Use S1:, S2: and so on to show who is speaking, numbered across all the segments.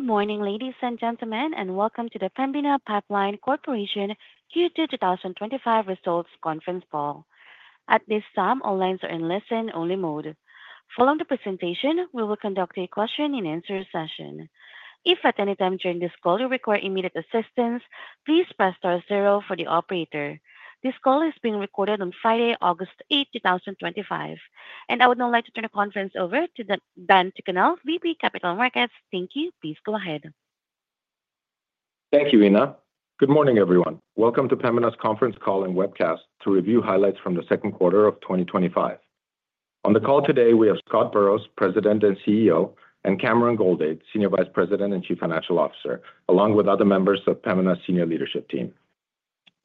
S1: Good morning ladies and gentlemen and welcome to the Pembina Pipeline Corporation Q2 2025 results conference call. At this time all lines are in listen-only mode. Following the presentation, we will conduct a question-and-answer session. If at any time during this call you require immediate assistance, please press star zero for the operator. This call is being recorded on Friday, August 8, 2025, and I would now like to turn the conference over to Dan Tucunel, VP, Capital Markets. Thank you. Please go ahead.
S2: Thank you, Ina. Good morning, everyone. Welcome to Pembina's conference call and webcast to review highlights from the second quarter of 2025. On the call today we have Scott Burrows, President and CEO, and Cameron Goldade, Senior Vice President and Chief Financial Officer, along with other members of Pembina's senior leadership team.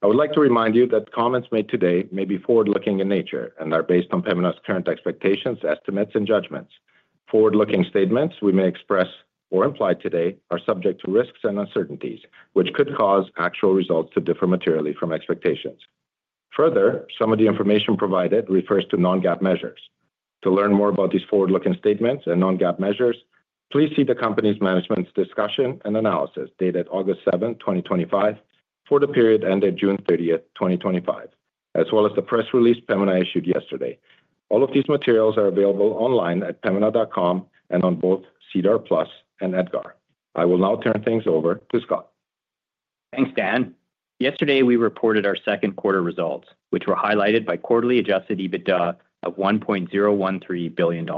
S2: I would like to remind you that comments made today may be forward-looking in nature and are based on Pembina's current expectations, estimates, and judgments. Forward-looking statements we may express or imply today are subject to risks and uncertainties which could cause actual results to differ materially from expectations. Further, some of the information provided refers to non-GAAP measures. To learn more about these forward-looking statements and non-GAAP measures, please see the Company's Management's Discussion and Analysis dated August 7, 2025, for the period ended June 30th, 2025, as well as the press release Pembina issued yesterday. All of these materials are available online at pembina.com and on both SEDAR+ and EDGAR. I will now turn things over to Scott.
S3: Thanks Dan. Yesterday we reported our second quarter results, which were highlighted by quarterly adjusted EBITDA of $1.013 billion.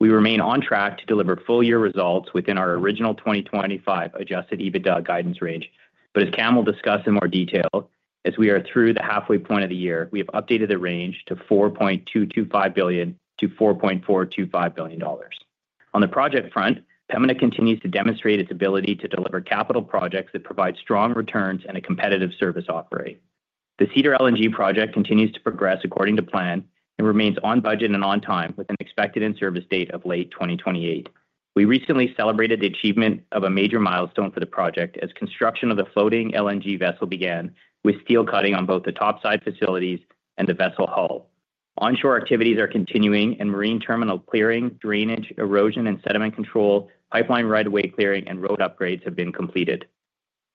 S3: We remain on track to deliver full year results within our original 2025 adjusted EBITDA guidance range, but as Cam will discuss in more detail as we are through the halfway point of the year, we have updated the range to $4.225 billion-$4.425 billion. On the project front, Pembina continues to demonstrate its ability to deliver capital projects that provide strong returns and a competitive service offering. The Cedar LNG Project continues to progress according to plan and remains on budget and on time with an expected in-service date of late 2028. We recently celebrated the achievement of a major milestone for the project as construction of the floating LNG vessel began with steel cutting on both the topside facilities and the vessel hull. Onshore activities are continuing and marine terminal clearing, drainage, erosion and sediment control, pipeline right-of-way clearing, and road upgrades have been completed.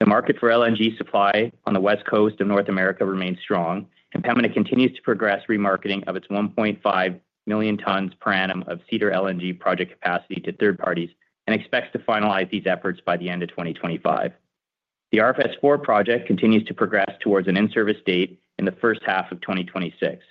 S3: The market for LNG supply on the West Coast of North America remains strong and Pembina continues to progress remarketing of its 1.5 million tons per annum of Cedar LNG Project capacity to third parties and expects to finalize these efforts by the end of 2025. The RFS4 project continues to progress towards an in-service date in the first half of 2026.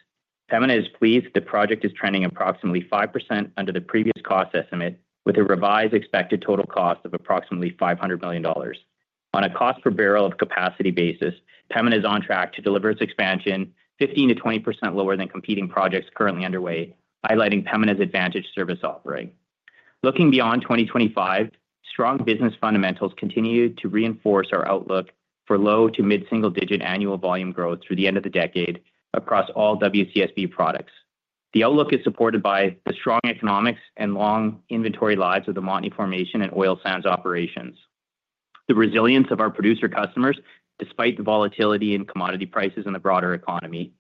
S3: Pembina is pleased the project is trending approximately 5% under the previous cost estimate with a revised expected total cost of approximately $500 million. On a cost per barrel of capacity basis, Pembina is on track to deliver its expansion 15%-20% lower than competing projects currently underway, highlighting Pembina's advantaged service offering. Looking beyond 2025, strong business fundamentals continue to reinforce our outlook for low to mid single-digit annual volume growth through the end of the decade across all WCSB products. The outlook is supported by the strong economics and long inventory lives of the Montney formation and oil sands operations, the resilience of our producer customers despite the volatility in commodity prices in the broader economy,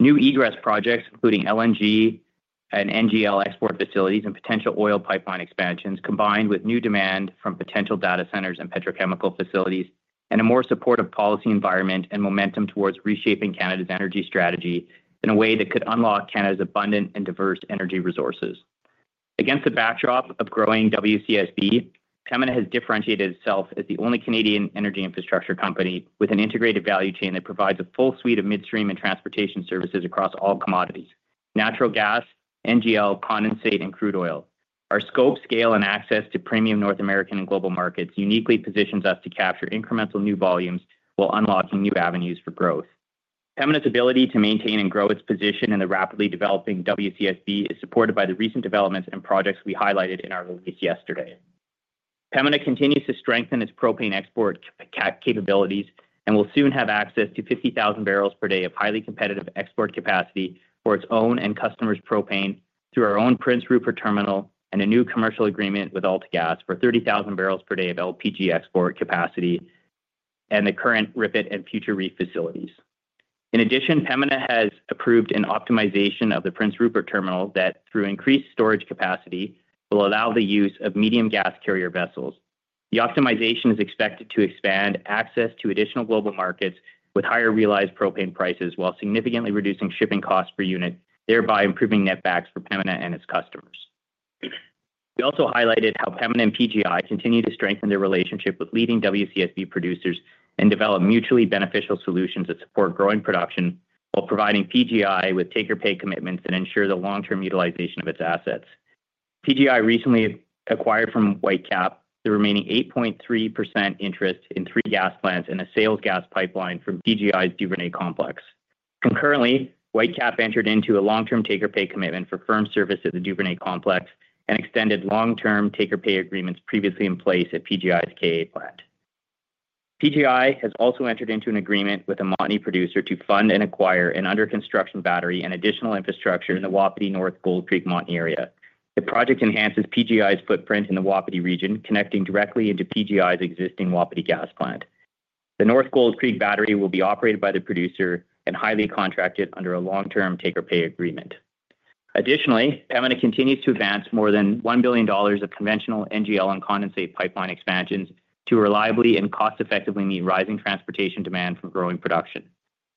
S3: new egress projects including LNG and NGL export facilities and potential oil pipeline expansions combined with new demand from potential data centers and petrochemical facilities and a more supportive policy environment and momentum towards reshaping Canada's energy strategy in a way that could unlock Canada's abundant and diverse energy resources. Against the backdrop of growing WCSB, Pembina has differentiated itself as the only Canadian energy infrastructure company with an integrated value chain that provides a full suite of midstream and transportation services across all commodities, natural gas, NGL, condensate, and crude oil. Our scope, scale, and access to premium North American and global markets uniquely positions us to capture incremental new volumes while unlocking new avenues for growth. Pembina's ability to maintain and grow its position in the rapidly developing WCSB is supported by the recent developments and projects we highlighted in our release yesterday. Pembina continues to strengthen its propane export capabilities and will soon have access to 50,000 bbl per day of highly competitive export capacity for its own and customers' propane through our own Prince Rupert Terminal and a new commercial agreement with AltaGas for 30,000 bbl per day of LPG export capacity and the current RIPET and future REEF facilities. In addition, Pembina has approved an optimization of the Prince Rupert Terminal that, through increased storage capacity, will allow the use of medium gas carrier vessels. The optimization is expected to expand access to additional global markets with higher realized propane prices while significantly reducing shipping costs per unit, thereby improving netbacks for Pembina and its customers. We also highlighted how Pembina and PGI continue to strengthen their relationship with leading WCSB producers and develop mutually beneficial solutions that support growing production while providing PGI with take-or-pay commitments that ensure the long-term utilization of its assets. PGI recently acquired from Whitecap the remaining 8.3% interest in three gas plants and a sales gas pipeline from PGI's Duvernay Complex. Concurrently, Whitecap entered into a long-term, take-or-pay commitment for firm service at the Duvernay Complex and extended long-term, take-or-pay agreements previously in place at PGI's KA plant. PGI has also entered into an agreement with a Montney producer to fund and acquire an under-construction battery and additional infrastructure in the Wapiti North Gold Creek Montney area. The project enhances PGI's footprint in the Wapiti region, connecting directly into PGI's existing Wapiti Gas Plant. The North Gold Creek Battery will be operated by the producer and highly contracted under a long-term, take-or-pay agreement. Additionally, Pembina continues to advance more than $1 billion of conventional NGL and condensate pipeline expansions to reliably and cost-effectively meet rising transportation demand for growing production.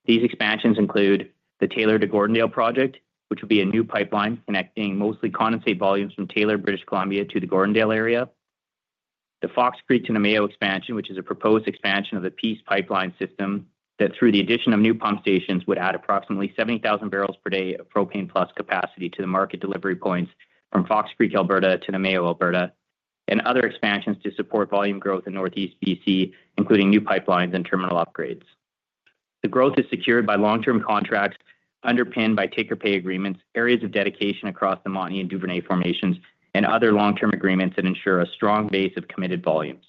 S3: These expansions include the Taylor to Gordondale project, which will be a new pipeline connecting mostly condensate volumes from Taylor, British Columbia to the Gordondale area, the Fox Creek to Namao expansion, which is a proposed expansion of the Peace Pipeline system that, through the addition of new pump stations, would add approximately 70,000 bpdof propane-plus capacity to the market. Delivery points from Fox Creek, Alberta to Namao, Alberta, and other expansions to support volume growth in Northeast B.C., including new pipelines and terminal upgrades. The growth is secured by long-term contracts underpinned by take-or-pay agreements, areas of dedication across the Montney and Duvernay formations, and other long-term agreements that ensure a strong base of committed volumes.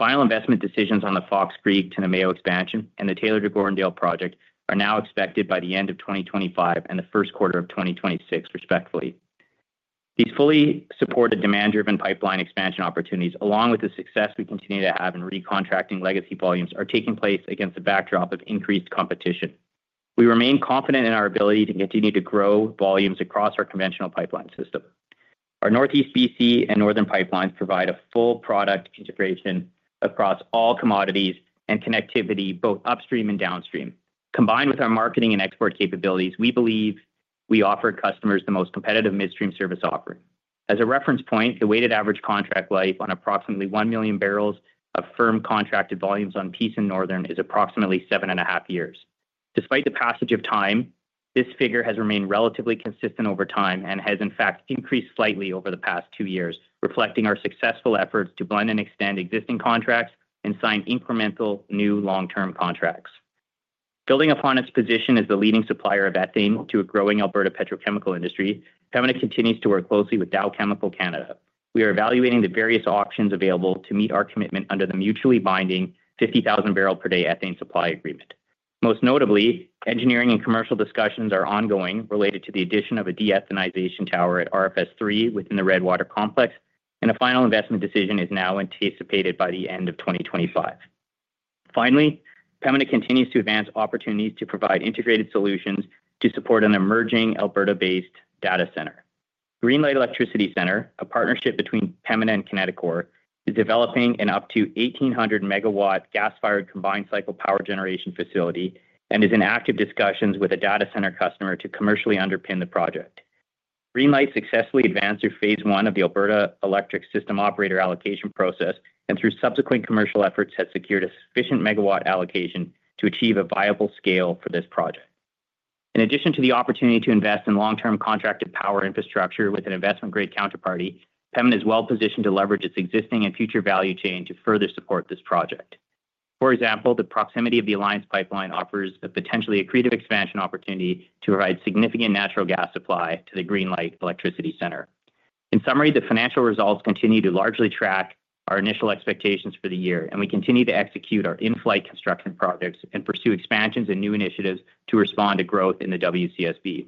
S3: Final investment decisions on the Fox Creek to Namao expansion and the Taylor to Gordondale project are now expected by the end of 2025 and the first quarter of 2026, respectively. These fully supported, demand-driven pipeline expansion opportunities, along with the success we continue to have in recontracting legacy volumes, are taking place. Against the backdrop of increased competition, we remain confident in our ability to continue to grow volumes across our conventional pipeline system. Our Northeast B.C. and Northern pipelines provide a full product integration across all commodities and connectivity both upstream and downstream. Combined with our marketing and export capabilities, we believe we offer customers the most competitive midstream service offering. As a reference point, the weighted average contract life on approximately 1 million bbls of firm contracted volumes on Peace and Northern is approximately seven and a half years. Despite the passage of time, this figure has remained relatively consistent over time and has in fact increased slightly over the past two years, reflecting our successful efforts to blend and extend existing contracts and sign incremental new long-term contracts. Building upon its position as the leading supplier of ethane to a growing Alberta petrochemical industry, Pembina continues to work closely with Dow Chemical Canada. We are evaluating the various options available to meet our commitment under the mutually binding 50,000 bpd ethane supply agreement. Most notably, engineering and commercial discussions are ongoing related to the addition of a de-ethanization tower at RFS3 within the Redwater Complex and a final investment decision is now anticipated by the end of 2025. Finally, Pembina continues to advance opportunities to provide integrated solutions to support an emerging Alberta-based data center. Greenlight Electricity Center, a partnership between Pembina and Connecticore, is developing an up to 1,800 MW gas-fired combined cycle power generation facility and is in active discussions with a data center customer to commercially underpin the project. Greenlight successfully advanced through Phase I of the Alberta Electric System Operator allocation process and through subsequent commercial efforts has secured a sufficient megawatt allocation to achieve a viable scale for this project. In addition to the opportunity to invest in long-term contracted power infrastructure with an investment grade counterparty, Pembina is well positioned to leverage its existing and future value chain to further support this project. For example, the proximity of the Alliance pipeline offers a potentially accretive expansion opportunity to provide significant natural gas supply to the Greenlight Electricity Center. In summary, the financial results continue to largely track our initial expectations for the year and we continue to execute our in-flight construction projects and pursue expansions and new initiatives to respond to growth in the WCSB.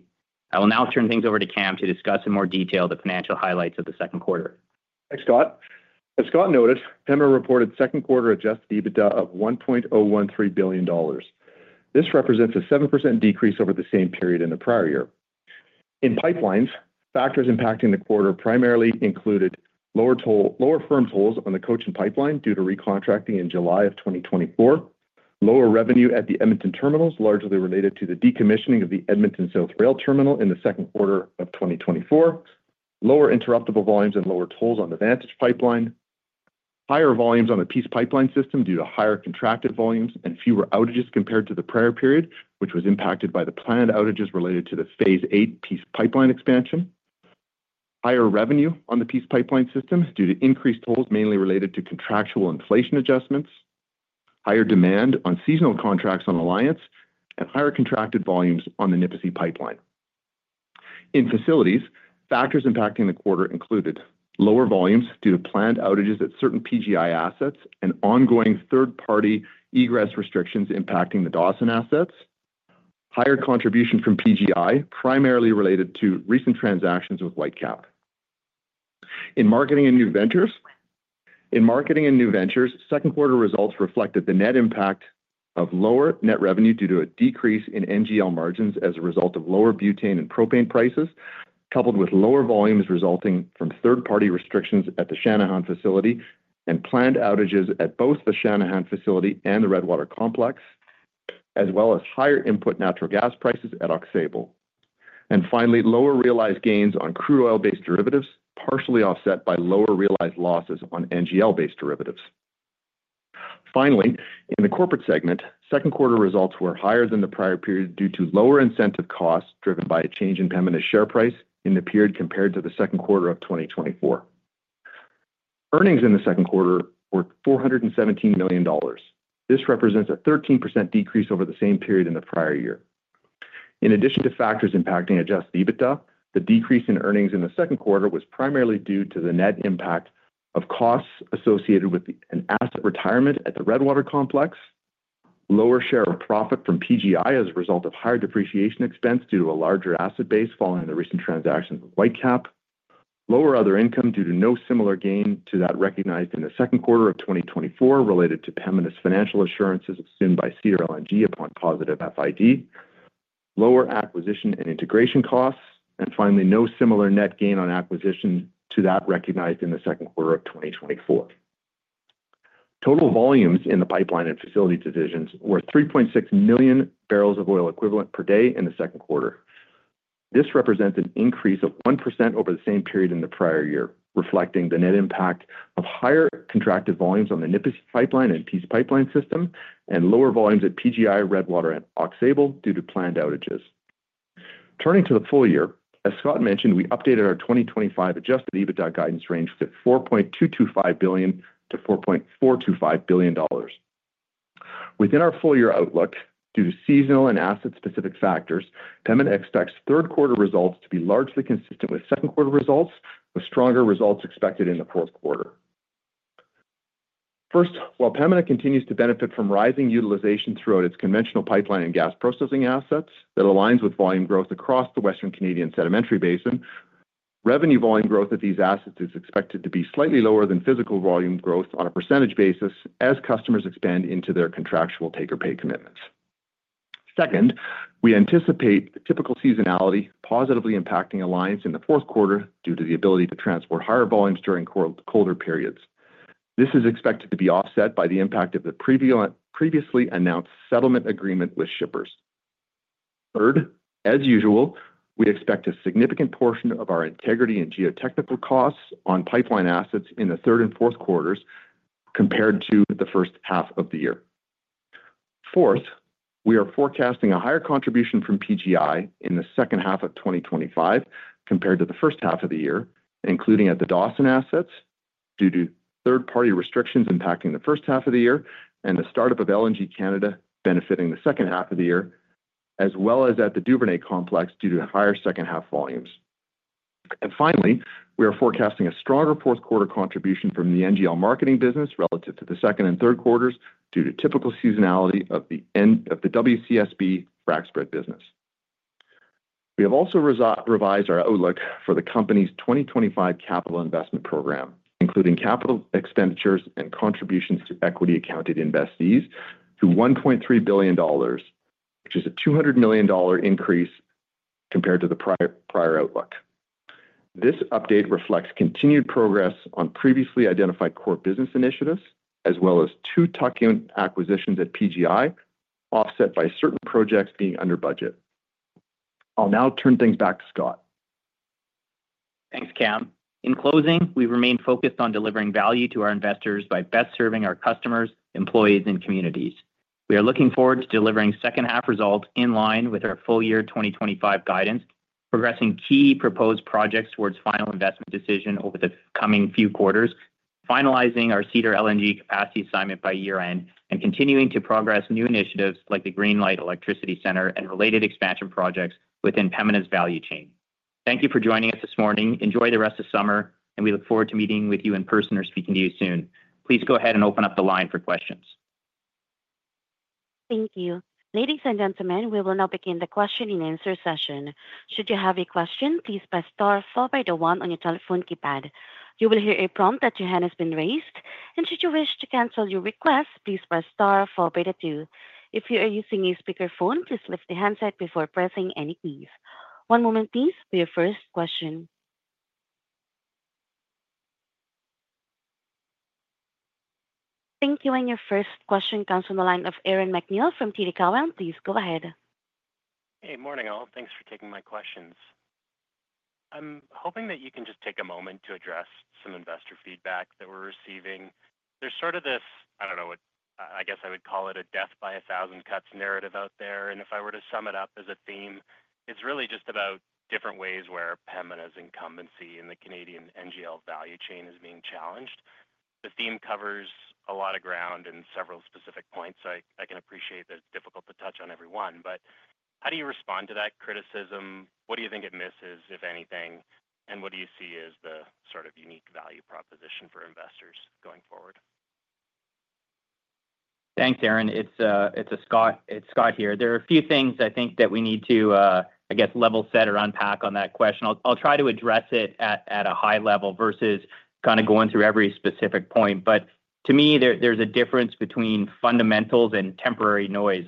S3: I will now turn things over to Cam to discuss in more detail the financial highlights of the second quarter.
S4: Thanks Scott. As Scott noted, Pembina reported second quarter adjusted EBITDA of $1.013 billion. This represents a 7% decrease over the same period in the prior year. In pipelines, factors impacting the quarter primarily included lower firm tolls on the Cochin pipeline due to recontracting in July of 2024, lower revenue at the Edmonton terminals largely related to the decommissioning of the Edmonton South Rail Terminal in the second quarter of 2024, lower interruptible volumes and lower tolls on the Vantage pipeline, higher volumes on the Peace Pipeline system due to higher contracted volumes and fewer outages compared to the prior period which was impacted by the planned outages related to the Phase VIII Peace Pipeline expansion, higher revenue on the Peace Pipeline system due to increased tolls mainly related to contractual inflation adjustments, higher demand on seasonal contracts on Alliance and higher contracted volumes on the Nipisi pipeline. In facilities, factors impacting the quarter included lower volumes due to planned outages at certain PGI assets and ongoing third-party egress restrictions impacting the Dawson assets, higher contribution from PGI primarily related to recent transactions with Whitecap. In marketing and New Ventures, second quarter results reflected the net impact of lower net revenue due to a decrease in NGL margins as a result of lower Butane and Propane prices coupled with lower volumes resulting from third-party restrictions at the Channahon facility and planned outages at both the Channahon facility and the Redwater Complex, as well as higher input natural gas prices at Aux Sable, and finally lower realized gains on crude oil based derivatives partially offset by lower realized losses on NGL-based derivatives. Finally, in the corporate segment, second quarter results were higher than the prior period due to lower incentive costs driven by a change in Pembina share price in the period compared to the second quarter of 2024. Earnings in the second quarter were $417 million. This represents a 13% decrease over the same period in the prior year. In addition to factors impacting adjusted EBITDA, the decrease in earnings in the second quarter was primarily due to the net impact of costs associated with an asset retirement at the Redwater Complex, lower share of profit from PGI as a result of higher depreciation expense due to a larger asset base following the recent transaction. Whitecap lower other income due to no similar gain to that recognized in the second quarter of 2024 related to Pembina's financial assurances soon by Cedar LNG upon positive FID, lower acquisition and integration costs, and finally no similar net gain on acquisition to that recognized in the second quarter of 2024. Total volumes in the pipeline and facility divisions were 3.6 million bbl of oil equivalent per day in the second quarter. This represents an increase of 1% over the same period in the prior year, reflecting the net impact of higher contracted volumes on the Nipisi pipeline and Peace pipeline system and lower volumes at PGI, Redwater, and Aux Sable due to planned outages. Turning to the full-year, as Scott mentioned, we updated our 2025 adjusted EBITDA guidance range to $4.225 billion-$4.425 billion within our full year outlook due to seasonal and asset specific factors. Pembina expects third quarter results to be largely consistent with second quarter results, with stronger results expected in the fourth quarter. First, while Pembina continues to benefit from rising utilization throughout its conventional pipeline and gas processing assets that aligns with volume growth across the Western Canadian Sedimentary Basin, revenue volume growth at these assets is expected to be slightly lower than physical volume growth on a percentage basis as customers expand into their contractual take-or-pay commitments. Second, we anticipate the typical seasonality positively impacting Alliance in the fourth quarter due to the ability to transport higher volumes during colder periods. This is expected to be offset by the impact of the previously announced settlement agreement with shippers. Third, as usual, we expect a significant portion of our integrity and geotechnical costs on pipeline assets in the third and fourth quarters compared to the first half of the year. Fourth, we are forecasting a higher contribution from PGI in the second half of 2025 compared to the first half of the year, including at the Dawson assets due to third-party restrictions impacting the first half of the year and the startup of LNG Canada benefiting the second half of the year, as well as at the Duvernay Complex due to higher second half volumes. Finally, we are forecasting a stronger fourth quarter contribution from the NGL marketing business relative to the second and third quarters due to typical seasonality of the WCSB FRAC spread business. We have also revised our outlook for the company's 2025 capital investment program, including capital expenditures and contributions to equity accounted investees, to $1.3 billion, which is a $200 million increase compared to the prior outlook. This update reflects continued progress on previously identified core business initiatives as well as two tuck-in acquisitions at PGI, offset by certain projects being under budget. I'll now turn things back to Scott.
S3: Thanks, Cam. In closing, we remain focused on delivering value to our investors by best serving our customers, employees, and communities. We are looking forward to delivering second half results in line with our full year 2025 guidance, progressing key proposed projects towards final investment decision over the coming few quarters, finalizing our Cedar LNG capacity assignment by year-end, and continuing to progress new initiatives like the Greenlight Electricity Center and related expansion projects within Pembina's value chain. Thank you for joining us this morning, enjoy the rest of summer, and we look forward to meeting with you in person or speaking to you soon. Please go ahead and open up the line for questions.
S1: Thank you, ladies and gentlemen. We will now begin the question-and-answer session. Should you have a question, please press star followed by the one on your telephone keypad. You will hear a prompt that your hand has been raised. Should you wish to cancel your request, please press star followed by two. If you are using a speakerphone, just lift the handset before pressing any keys. One moment, please, for your first question. Thank you. Your first question comes from the line of Aaron MacNeil from TD Cowen. Please go ahead.
S5: Hey, morning all. Thanks for taking my questions. I'm hoping that you can just take a moment to address some investor feedback that we're receiving. There's sort of this, I don't know. What I guess I would call it a death by a thousand cuts narrative out there. If I were to sum it up as a theme, it's really just about different ways where Pembina's incumbency int the Canadian NGL value chain is being challenged. The theme covers a lot of ground in several specific points. I can appreciate that it's difficult to touch on every one. How do you respond to that criticism? What do you think it misses, if anything? What do you see as the sort of unique value proposition for investors going forward?
S3: Thanks, Aaron. It's Scott here. There are a few things I think that we need to, I guess, level set or unpack on that question. I'll try to address it at a high level versus kind of going through every specific point. To me, there's a difference between fundamentals and temporary noise.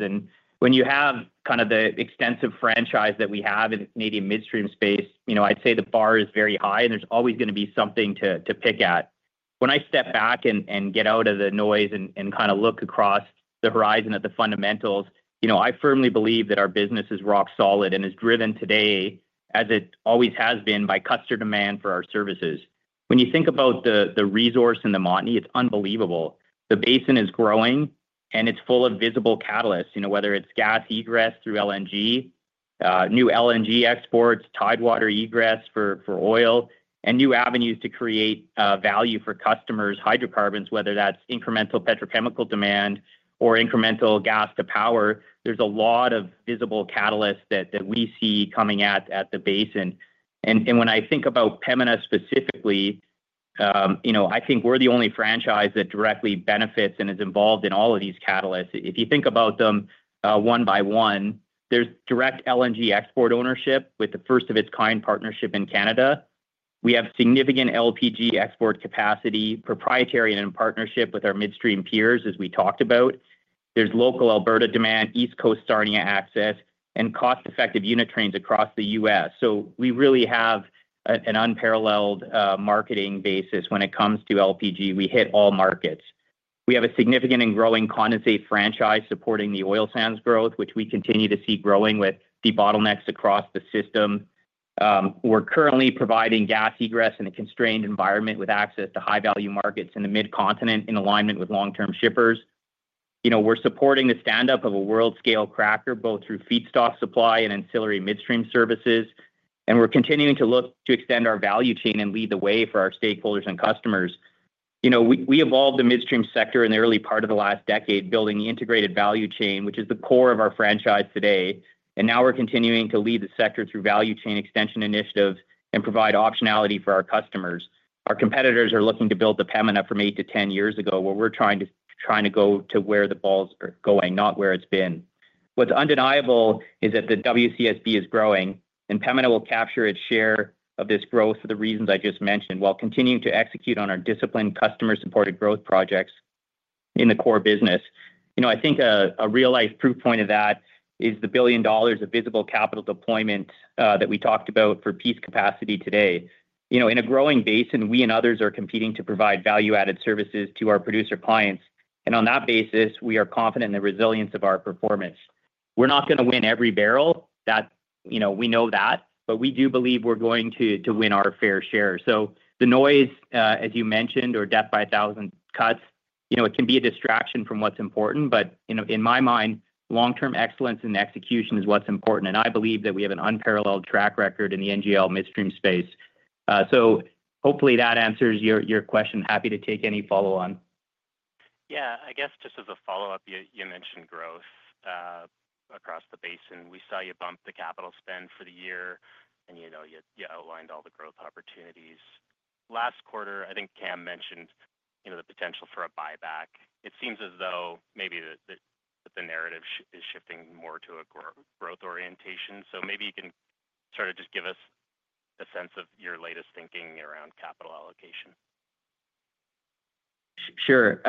S3: When you have kind of the extensive franchise that we have in the midstream space, I'd say the bar is very high. There's always going to be something to pick at. When I step back and get out of the noise and kind of look across the horizon at the fundamentals, I firmly believe that our business is rock solid and is driven today, as it always has been, by customer demand for our services. When you think about the resource in the Montney, it's unbelievable. The basin is growing and it's full of visible catalysts, whether it's gas egress through LNG, new LNG exports, Tidewater egress for oil, and new avenues to create value for customers, hydrocarbons, whether that's incremental petrochemical demand or incremental gas to power. There's a lot of visible catalysts that we see coming at the basin. When I think about Pembina specifically, I think we're the only franchise that directly benefits and is involved in all of these catalysts. If you think about them one by one, there's direct LNG export ownership with the first of its kind partnership in Canada. We have significant LPG export capacity, proprietary and in partnership with our midstream peers. As we talked about, there's local Alberta demand, East Coast Sarnia access, and cost-effective unit trains across the U.S. We really have an unparalleled marketing basis when it comes to LPG. We hit all markets. We have a significant and growing condensate franchise supporting the oil sands growth, which we continue to see growing with the bottlenecks across the system. We're currently providing gas egress in a constrained environment with access to high value markets in the mid-continent in alignment with long-term shippers. We're supporting the standup of a world-scale cracker both through feedstock supply and ancillary midstream services. We're continuing to look to extend our value chain and lead the way for our stakeholders and customers. We evolved the midstream sector in the early part of the last decade, building the integrated value chain which is the core of our franchise today. We're continuing to lead the sector through value chain extension initiatives and provide optionality for our customers. Our competitors are looking to build the Pembina from eight to 10 years ago. We're trying to go to where the ball's going, not where it's been. What's undeniable is that the WCSB is growing and Pembina will capture its share of this growth for the reasons I just mentioned, while continuing to execute on our disciplined customer-supported growth projects in the core business. I think a realized proof point of that is the $1 billion of visible capital deployment that we talked about for Peace capacity today. In a growing basin, we and others are competing to provide value-added services to our producer clients. On that basis, we are confident in the resilience of our performance. We're not going to win every barrel, we know that, but we do believe we're going to win our fair share. The noise, as you mentioned, or death by a thousand cuts, can be a distraction from what's important. In my mind, long-term excellence and execution is what's important. I believe that we have an unparalleled track record in the NGL midstream space. Hopefully that answers your question. Happy to take any follow-on.
S5: Yeah. I guess just as a follow-up, you mentioned growth across the basin. We saw you bump the capital spend for the year, and you outlined all the growth opportunities last quarter. I think Cam mentioned the potential for a buyback. It seems as though maybe the narrative is shifting more to a growth orientation. Maybe you can sort of just give us a sense of your latest thinking around capital allocation.
S3: Sure.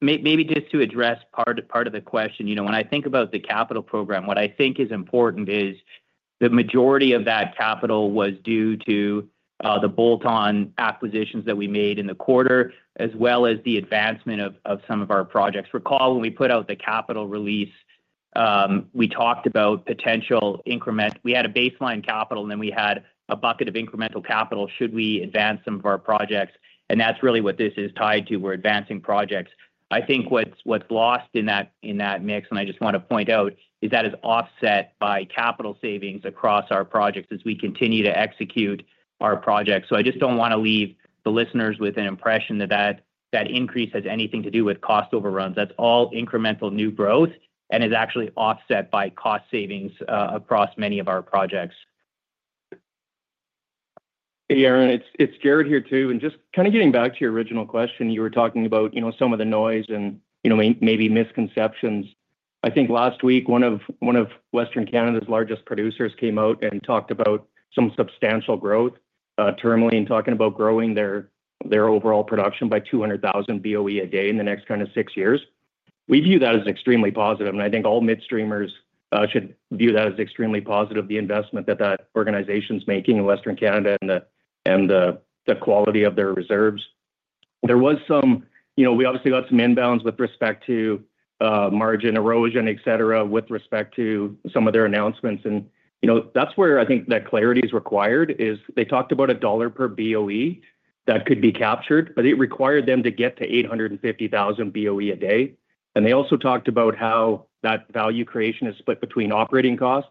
S3: Maybe just to address part of the question, when I think about the capital program, what I think is important is the majority of that capital was due to the bolt-on acquisitions that we made in the quarter as well as the advancement of some of our projects. Recall when we put out the capital release, we talked about potential increment. We had a baseline capital and then we had a bucket of incremental capital. Should we advance some of our projects? That's really what this is tied to. We're advancing projects. I think what's lost in that mix, and I just want to point out, is that is offset by capital savings across our projects as we continue to execute our project. I just don't want to leave the listeners with an impression that that increase has anything to do with cost overruns. That's all incremental new growth and is actually offset by cost savings across many of our projects.
S6: Aaron, it's Jaret here too. Just kind of getting back to your original question. You were talking about, you know, some of the noise and, you know, maybe misconceptions. I think last week one of Western Canada's largest producers came out and talked about some substantial growth terminally and talked about growing their overall production by 200,000 boe a day in the next kind of six years. We view that as extremely positive and I think all midstreamers should view that as extremely positive. The investment that that organization's making in Western Canada and the quality of their reserves, there was some, you know, we obviously got some inbounds with respect to margin erosion, etc., with respect to some of their announcements. That's where I think that clarity is required, as they talked about a dollar per boe that could be captured, but it required them to get to 850,000 boe a day. They also talked about how that value creation is split between operating costs,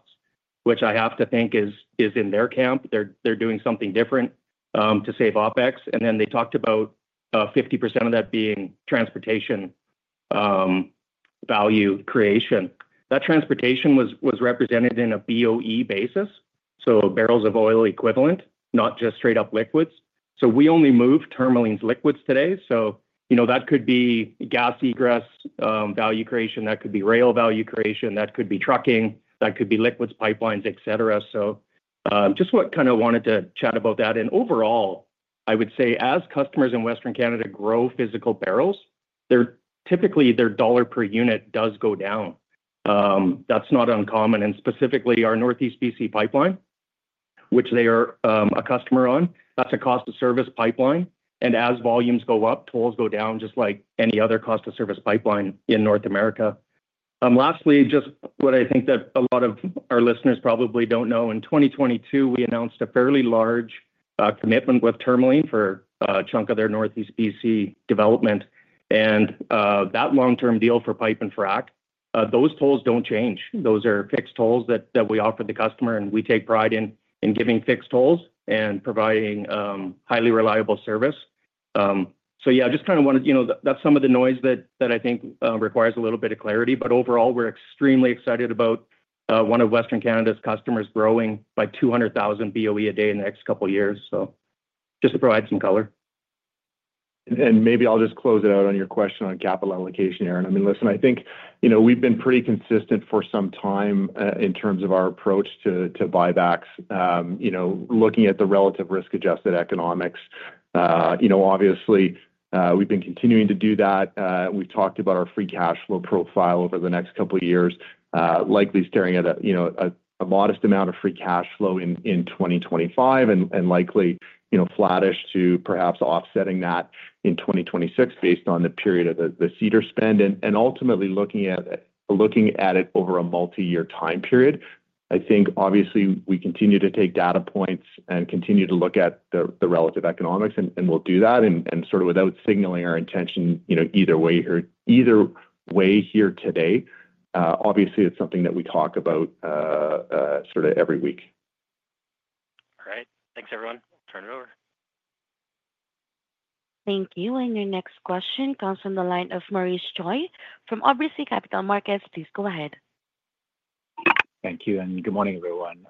S6: which I have to think is in their camp. They're doing something different to save OpEx. They talked about 50% of that being transportation value creation. That transportation was represented in a boe basis, so barrels of oil equivalent, not just straight up liquids. We only move Tourmaline's liquids today. That could be gas egress value creation, that could be rail value creation, that could be trucking, that could be liquids, pipelines, etc. I just wanted to chat about that. Overall, I would say as customers in Western Canada grow physical barrels, typically their dollar per unit does go down. That's not uncommon. Specifically, our Northeast B.C. Pipeline, which they are a customer on, that's a cost of service pipeline. As volumes go up, tolls go down just like any other cost of service pipeline in North America. Lastly, what I think a lot of our listeners probably don't know, in 2022 we announced a fairly large commitment with Tourmaline for a chunk of their Northeast B.C. development and that long-term deal for pipe and frac. Those tolls don't change. Those are fixed tolls that we offer the customer and we take pride in giving fixed tolls and providing highly reliable service. I just wanted, you know, that's some of the noise that I think requires a little bit of clarity. Overall, we're extremely excited about one of Western Canada's customers growing by 200,000 boe a day in the next couple of years. Just to provide some color.
S4: Maybe I'll just close it out on your question on capital allocation, Aaron. I mean, listen, I think we've been pretty consistent for some time in terms of our approach to buybacks, looking at the relative adjusted economics. Obviously, we've been continuing to do that. We've talked about our free cash flow profile over the next couple of years, likely staring at a modest amount of free cash flow in 2025 and likely flattish to perhaps offsetting that in 2026 based on the period of the Cedar spend and ultimately looking at it over a multi-year time period. I think obviously we continue to take data points and continue to look at the relative economics and we'll do that and, sort of without signaling our intention either way here today, obviously it's something that we talk about every week.
S5: All right, thanks everyone. Turn it over.
S1: Thank you. Your next question comes from the line of Maurice Choy from RBC Capital Markets. Please go ahead.
S7: Thank you, and good morning everyone.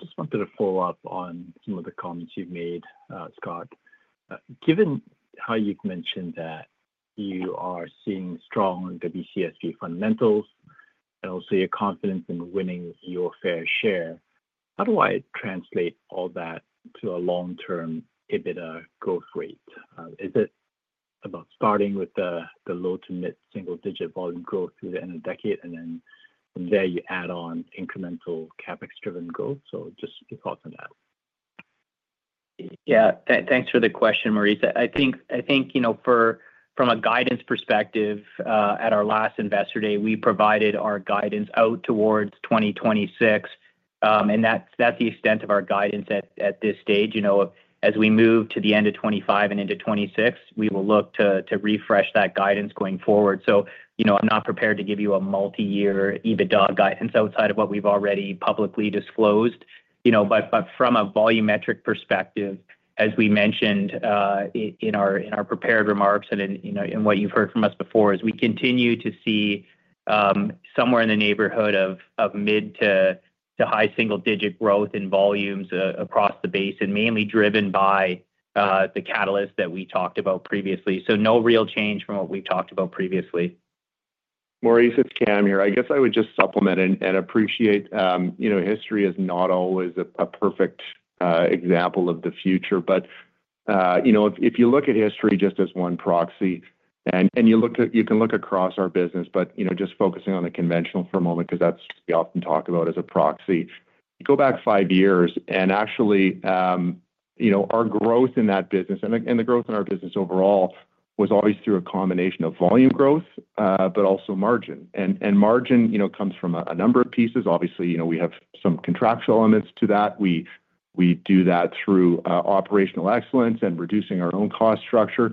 S7: Just wanted to follow up on some of the comments you've made, Scott, given. How you've mentioned that you are seeing strong WCSB fundamentals and also your confidence in winning your fair share. How do I translate all that to a long-term EBITDA growth rate? Is it about starting with the low-to-mid single-digit volume growth through. The end of the decade, and then you add on incremental CapEx-driven growth. Just your thoughts on that?
S3: Yeah, thanks for the question, Maurice. I think, you know, from a guidance perspective, at our last Investor Day we provided our guidance out towards 2026, and that's the extent of our guidance at this stage. As we move to the end of 2025 and into 2026, we will look to refresh that guidance going forward. I'm not prepared to give you a multi-year EBITDA guidance outside of what we've already publicly disclosed, but from a volumetric perspective, as we mentioned in our prepared remarks and in what you've heard from us before, we continue to see somewhere in the neighborhood of mid-to-high single digit growth in volumes across the basin, mainly driven by the catalyst that we talked about previously. No real change from what we've talked about previously.
S4: Maurice, it's Cam here. I guess I would just supplement and appreciate. You know, history is not always a perfect example of the future. If you look at history just as one proxy and you look at, you can look across our business but just focusing on the conventional for a moment because that's what we often talk about as a proxy, go back 5 years and actually our growth in that business and the growth in our business overall was always through a combination of volume growth but also margin, and margin comes from a number of pieces. Obviously, we have some contractual elements to that. We do that through operational excellence and reducing our own cost structure.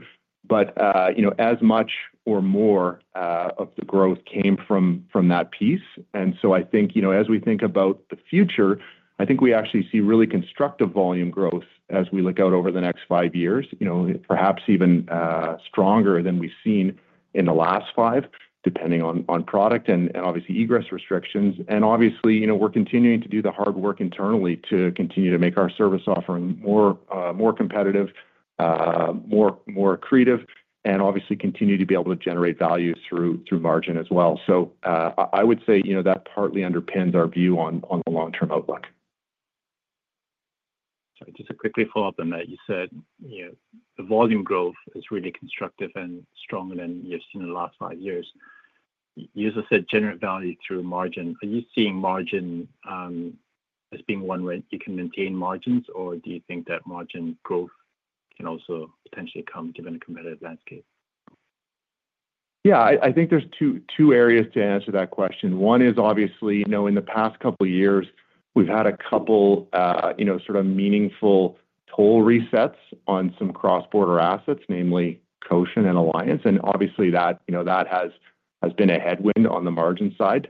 S4: As much or more of the growth came from that piece. I think as we think about the future, I think we actually see really constructive volume growth as we look out over the next 5 years, perhaps even stronger than we've seen in the last 5 depending on product and obviously egress restrictions. Obviously, we're continuing to do the hard work internally to continue to make our service offering more, more competitive, more, more accretive and obviously continue to be able to generate value through margin as well. I would say that partly underpins our view on the long-term outlook.
S7: Just to quickly follow up on that, you said the volume growth is really constructive and stronger than you've seen in the last five years. You also said generate value through margin sustainability. Are you seeing margin as being one? Where you can maintain margins or do. You think that margin growth can also potentially come given the competitive landscape?
S4: Yeah, I think there's two areas to answer that question. One is obviously in the past couple of years we've had a couple sort of meaningful toll resets on some cross border assets, namely Cochin and Alliance. Obviously that has been a headwind on the margin side.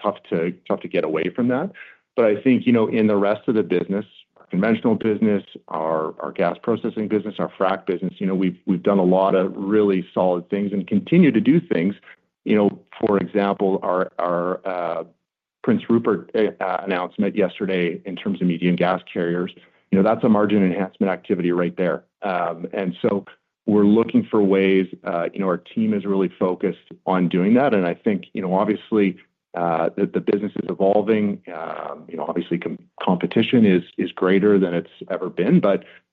S4: Tough to get away from that. I think in the rest of the business, conventional business, our gas processing business, our frac business, we've done a lot of really solid things and continue to do things. For example, our Prince Rupert announcement yesterday in terms of medium gas carriers, that's a margin enhancement activity right there. We're looking for ways, our team is really focused on doing that. I think obviously that the business is evolving. Obviously competition is greater than it's ever been.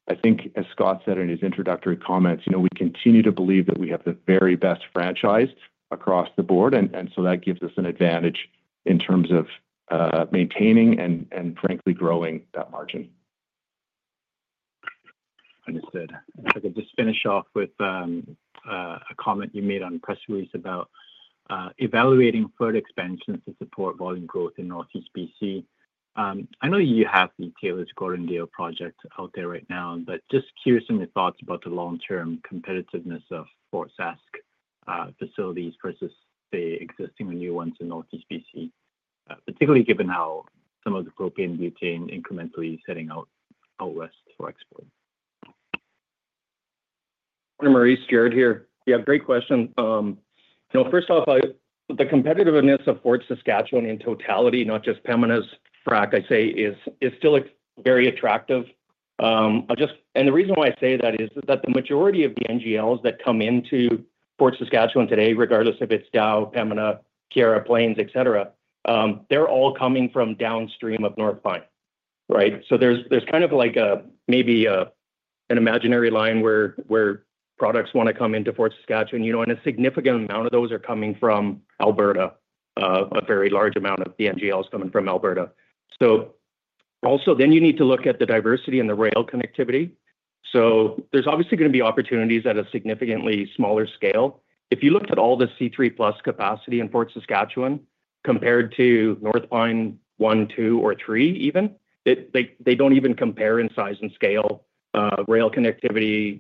S4: I think as Scott said in his introductory comments, we continue to believe that we have the very best franchise across the board. That gives us an advantage in terms of maintaining and frankly growing that margin.
S7: Understood. If I could just finish off with a comment you made on the press release about evaluating further expansion to support volume growth in Northeast B.C. I know you have the Taylor to Gordondale project out there right now, but. Just curious, some of your thoughts about the long-term competitiveness of Fort Saskatchewan facilities versus the existing or new ones in Northeast B.C., particularly given how some of the Propane, Butane incrementally setting out West for export.
S6: Maurice, Jaret here. Yeah, great question. First off, the competitiveness of Fort Saskatchewan in totality, not just Pembina's frac, I say is still very attractive. The reason why I say that is that the majority of the NGLs that come into Fort Saskatchewan today, regardless if it's [Dow,] Pembina, Keyera, Plains, etc., they're all coming from downstream of North Pine. There's kind of like an imaginary line where products want to come into Fort Saskatchewan, and a significant amount of those are coming from Alberta. A very large amount of the NGL is coming from Alberta. You also need to look at the diversity in the rail connectivity. There's obviously going to be opportunities at a significantly smaller scale. If you looked at all the C3+ capacity in Fort Saskatchewan compared to North Pine 1, 2, or 3 even, they don't even compare in size and scale. Rail connectivity,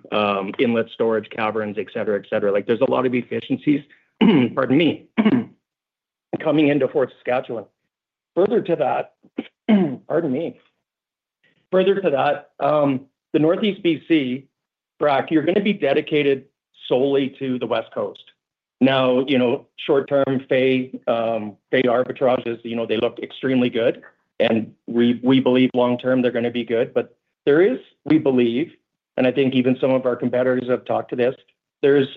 S6: inlet storage caverns, etc., there's a lot of efficiencies coming into Fort Saskatchewan. Further to that, the Northeast B.C. brac, you're going to be dedicated solely to the West Coast. Short-term fade arbitrage is, you know, they look extremely good and we believe long term they're going to be good. We believe, and I think even some of our competitors have talked to this, there's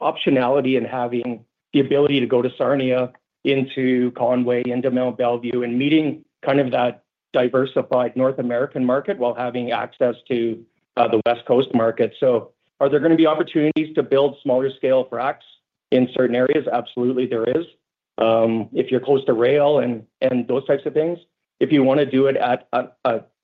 S6: optionality in having the ability to go to Sarnia, into Conway, into Mont Belvieu and meeting that diversified North American market while having access to the West Coast market. Are there going to be opportunities to build smaller scale bracs in certain areas? Absolutely there is, if you're close to rail and those types of things. If you want to do it at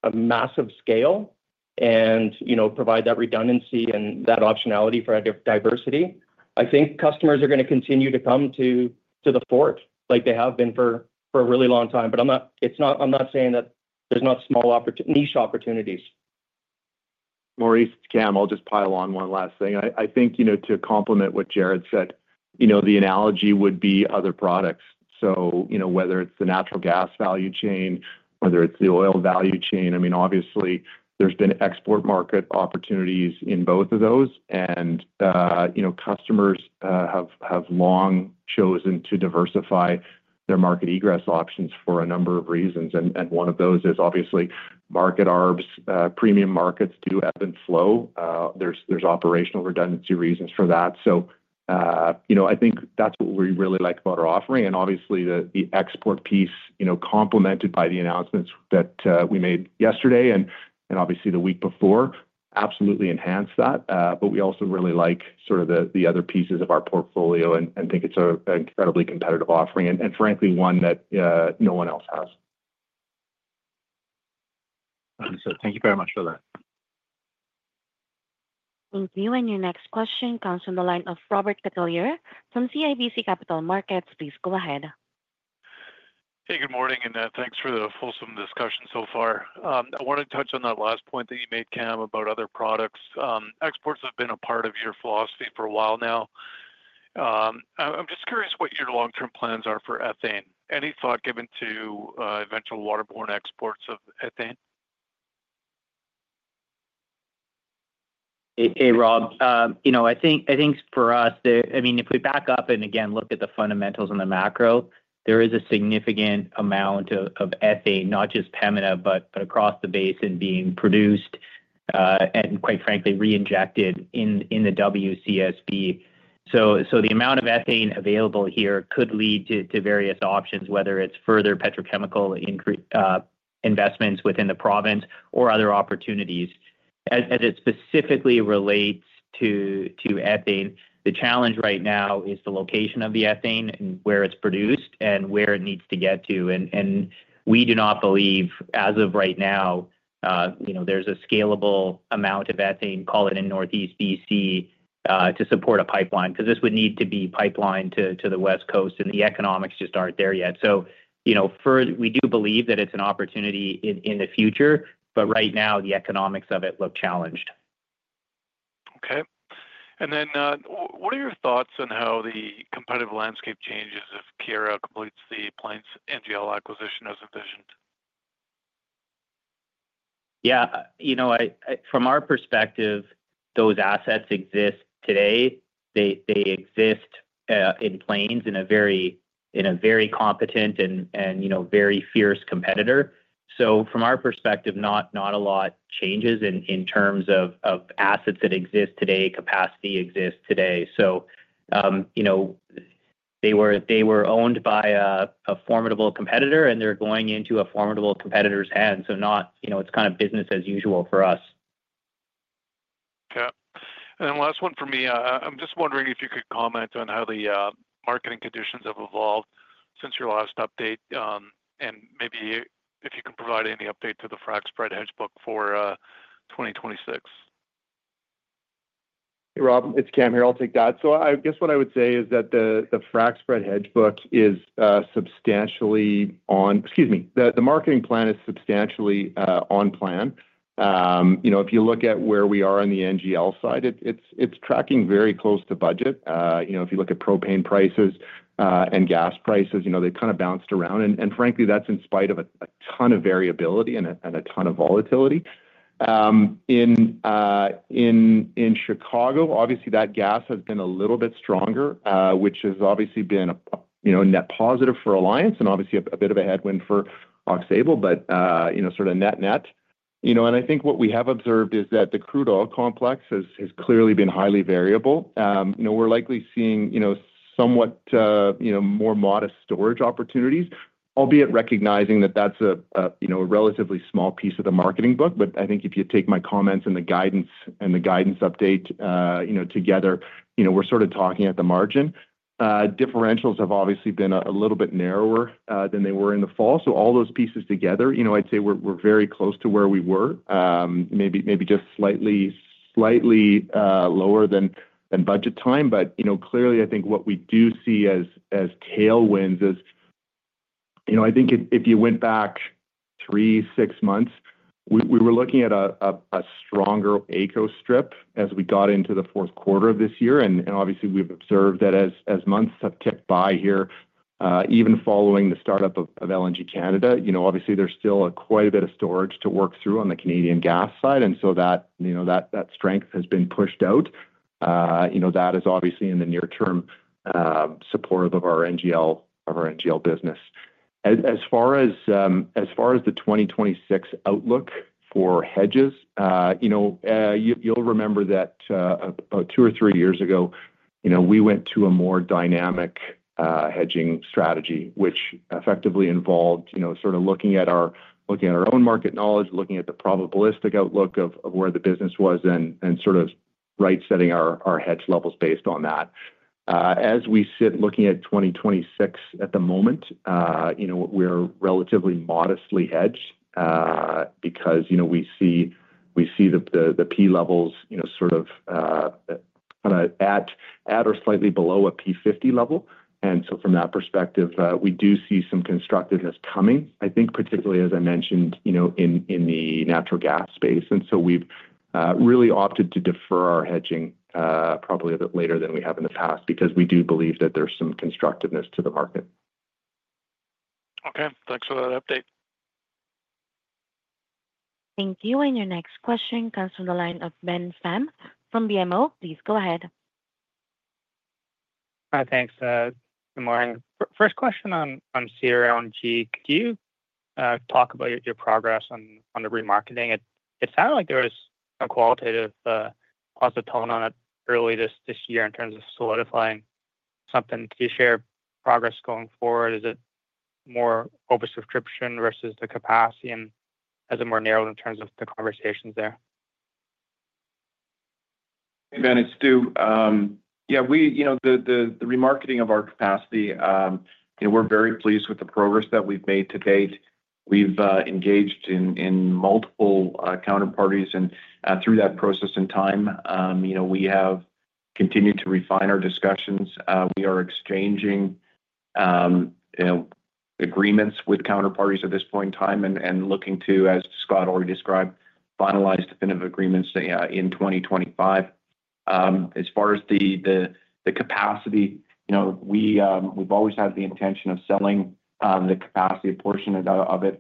S6: a massive scale and provide that redundancy and that optionality for diversity, I think customers are going to continue to come to the Fort like they have been for a really long time. I'm not saying that there's not small niche opportunities,
S4: Maurice, Cam, I'll just pile on one last thing. I think to complement what Jaret said, the analogy would be other products. Whether it's the natural gas value chain or the oil value chain, obviously there's been export market opportunities in both of those and customers have long chosen to diversify their market egress options for a number of reasons. One of those is obviously market arbs; premium markets do ebb and flow. There are operational redundancy reasons for that. I think that's what we really like about our offering. Obviously, the export piece, complemented by the announcements that we made yesterday and the week before, absolutely enhanced that. We also really like the other pieces of our portfolio and think it's an incredibly, frankly, one that no one else has.
S7: Thank you very much for that.
S1: Thank you. Your next question comes from the line of Robert Catellier from CIBC Capital Markets. Please go ahead.
S8: Hey, good morning and thanks for the fulsome discussion so far. I want to touch on that last point that you made, Cam, about other products. Exports have been a part of your philosophy for a while now. I'm just curious what your long-term plans are for ethane. Any thought given to eventual waterborne exports of ethane?
S3: Hey Rob, I think for us, if we back up and look at the fundamentals in the macro, there is a significant amount of ethane, not just Pembina but across the basin being produced and quite frankly reinjected in the WCSB. The amount of ethane available here could lead to various options, whether it's further petrochemical investments within the province or other opportunities. As it specifically relates to ethane, the challenge right now is the location of the ethane and where it's produced and where it needs to get to. We do not believe as of right now there's a scalable amount of ethane, call it in Northeast B.C., to support a pipeline because this would need to be pipelined to the West Coast and the economics just aren't there yet. We do believe that it's an opportunity in the future, but right now the economics of it look challenged.
S8: Okay, what are your thoughts on how the competitive landscape changes if KKR completes the Plains NGL acquisition as envisioned?
S3: Yeah, you know, from our perspective, those assets exist today. They exist in play, in a very competent and, you know, very fierce competitor. From our perspective, not a lot changes in terms of assets that exist today. Capacity exists today. They were owned by a formidable competitor and they're going into a formidable competitor's hand. It's kind of business as usual for us.
S8: Okay, last one for me. I'm just wondering if you could comment on how the marketing conditions have evolved. Since your last update and maybe if. You can provide any update to the frac spread hedge book for 2026.
S4: Hey Rob, it's Cam here. I'll take that. What I would say is that the frac spread hedge book is substantially on. Excuse me. The marketing plan is substantially on plan. If you look at where we are on the NGL side, it's tracking very close to budget. If you look at propane prices and gas prices, they kind of bounced around. Frankly, that's in spite of a ton of variability and a ton of volatility in Chicago. Obviously, that gas has been a little bit stronger, which has obviously been net positive for Alliance and obviously a bit of a headwind for our NGL stable, but sort of net net. I think what we have observed is that the crude oil complex has clearly been highly variable. We're likely seeing somewhat more modest storage opportunities, albeit recognizing that that's a relatively small piece of the marketing book. If you take my comments and the guidance and the guidance update together, we're sort of talking at the margin. Differentials have obviously been a little bit narrower than they were in the fall. All those pieces together, I'd say we're close to where we were, maybe just slightly, slightly lower than budget time. Clearly, I think what we do see as tailwinds is I think if you went back three, six months, we were looking at a stronger AECO strip as we got into the fourth quarter of this year. Obviously, we've observed that as months have tipped by here, even following the startup of LNG Canada, there's still quite a bit of storage to work through on the Canadian gas side. That strength has been pushed out, and that is obviously in the near term supportive of our NGL business. As far as the 2026 outlook for hedges, you'll remember that about two or three years ago, we went to a more dynamic hedging strategy which effectively involved looking at our own market knowledge, looking at the probabilistic outlook of where the business was, and right setting our hedge levels based on that. As we sit looking at 2026 at the moment, we're relatively modestly hedged because we see the P levels at or slightly below a P50 level. From that perspective, we do see some constructiveness coming, I think, particularly as I mentioned, in the natural gas space. We've really opted to defer our hedging probably a bit later than we have in the past because we do believe that there's some constructiveness to the market.
S8: Okay, thanks for that update.
S1: Thank you. Your next question comes from the line of Ben Pham from BMO. Please go ahead.
S9: Hi. Thanks. Good morning. First question on Cedar LNG. Do you talk about your progress on the remarketing? It sounded like there was a qualitative positive tone on it early this year in terms of solidifying something to share progress going forward. Is it more over-subscription versus the capacity? Is it more narrow in terms of the conversations there?
S10: Ben, it's Stu. Yeah. The remarketing of our capacity, you know, we're very pleased with the progress that we've made to date. We've engaged in multiple counterparties, and through that process, we have continued to refine our discussions. We are exchanging agreements with counterparties at this point in time and looking to, as Scott already described, finalize definitive agreements in 2025. As far as the capacity, you know, we've always had the intention of selling the capacity portion of it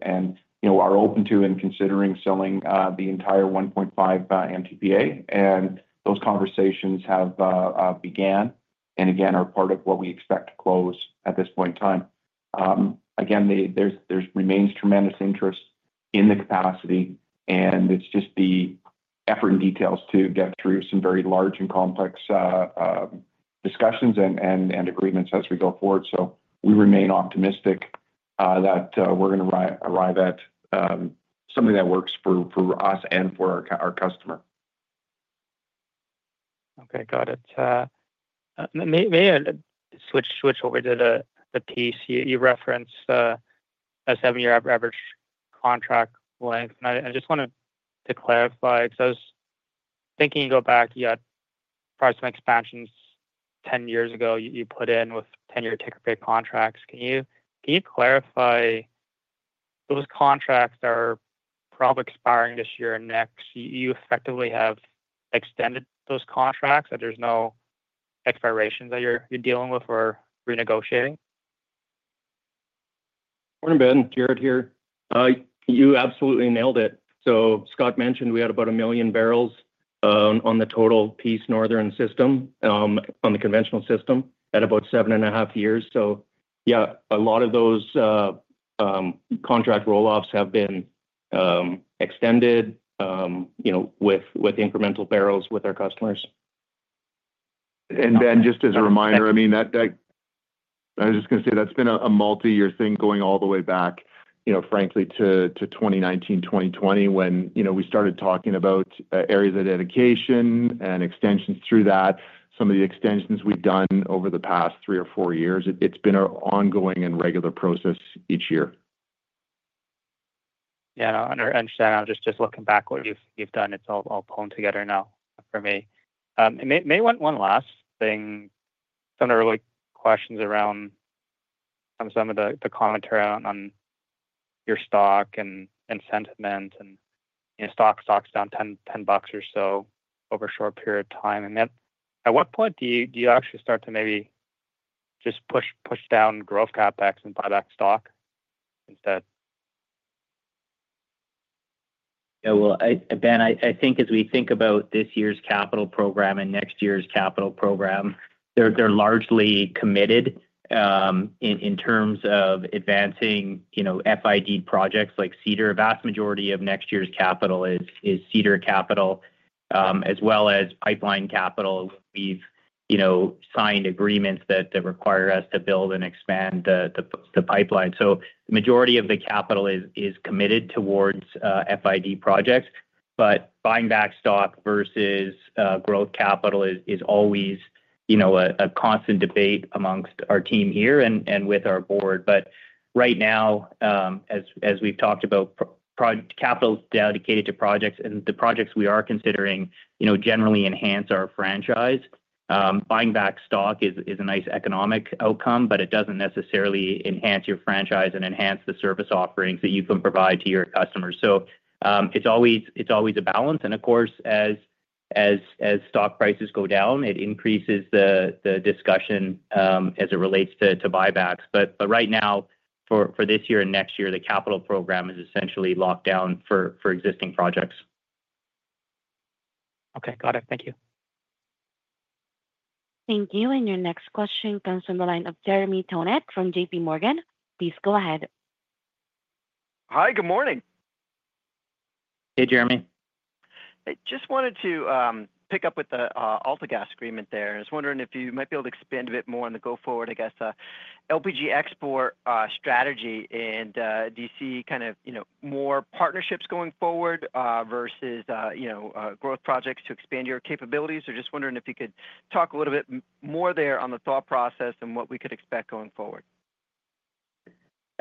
S10: and are open to and considering selling the entire 1.5 MTPA. Those conversations have begun and are part of what we expect to close at this point in time. There remains tremendous interest in the capacity, and it's just the effort and details to get through some very large and complex discussions and agreements as we go forward. We remain optimistic that we're going to arrive at something that works for us and for our customer.
S9: Okay, got it. Maybe I switch over to the piece. You referenced a seven year average contract length and I just wanted to clarify because I was thinking you go back, you got price and expansions 10 years ago you put in with 10 year take-or-pay contracts. Can you clarify? Those contracts are probably expiring this year or next, you effectively have extended those contracts that there's no expiration that you're dealing with or renegotiating.
S6: Morning Ben. Jaret here. You absolutely nailed it. Scott mentioned we had about a 1 million bbl on the total Peace Northern system on the conventional system at about seven and a half years. A lot of those contract roll offs have been extended with incremental barrels with our customers.
S4: Ben, just as a reminder, I was just going to say that's been a multi-year thing going all the way back, you know, frankly to 2019, 2020 when we started talking about areas of dedication and extensions through that, some of the extensions we've done over the past three or four years. It's been an ongoing and regular process each year.
S9: Yeah, understand. I'm just looking backwards. You've done it, it's all all put together now for me. May I add one last thing, some early questions around some of the commentary on your stock and sentiment, your stock's down $10 or so over a short period of time. At what point do you actually start to maybe just push down growth CapEx and buy that stock instead?
S3: Ben, I think as we think about this year's capital program and next year's capital program, they're largely committed in terms of advancing FID projects like Cedar. A vast majority of next year's capital is Cedar capital as well as pipeline capital. We've signed agreements that require us to build and expand the pipeline. The majority of the capital is committed towards FID projects. Buying back stock versus growth capital is always a constant debate amongst our team here and with our Board. Right now, as we've talked about, capital dedicated to projects and the projects we are considering generally enhance our franchise. Buying back stock is a nice economic outcome, but it doesn't necessarily enhance your franchise and enhance the service offerings that you can provide to your customers. It's always a balance. Of course, as stock prices go down, it increases the discussion as it relates to buybacks. Right now, for this year and next year, the capital program is essentially locked down for existing projects.
S9: Okay, got it. Thank you.
S1: Thank you. Your next question comes from the line of Jeremy Tonet from JPMorgan. Please go ahead.
S11: Hi, good morning.
S3: Hey Jeremy.
S11: I just wanted to pick up with the AltaGas agreement there. I was wondering if you might be able to expand a bit more on the go forward, I guess, LPG export strategy and do you see kind of, you know, more partnerships going forward versus growth projects to expand your capabilities. I'm just wondering if you could talk a little bit more there on the thought process and what we could expect going forward.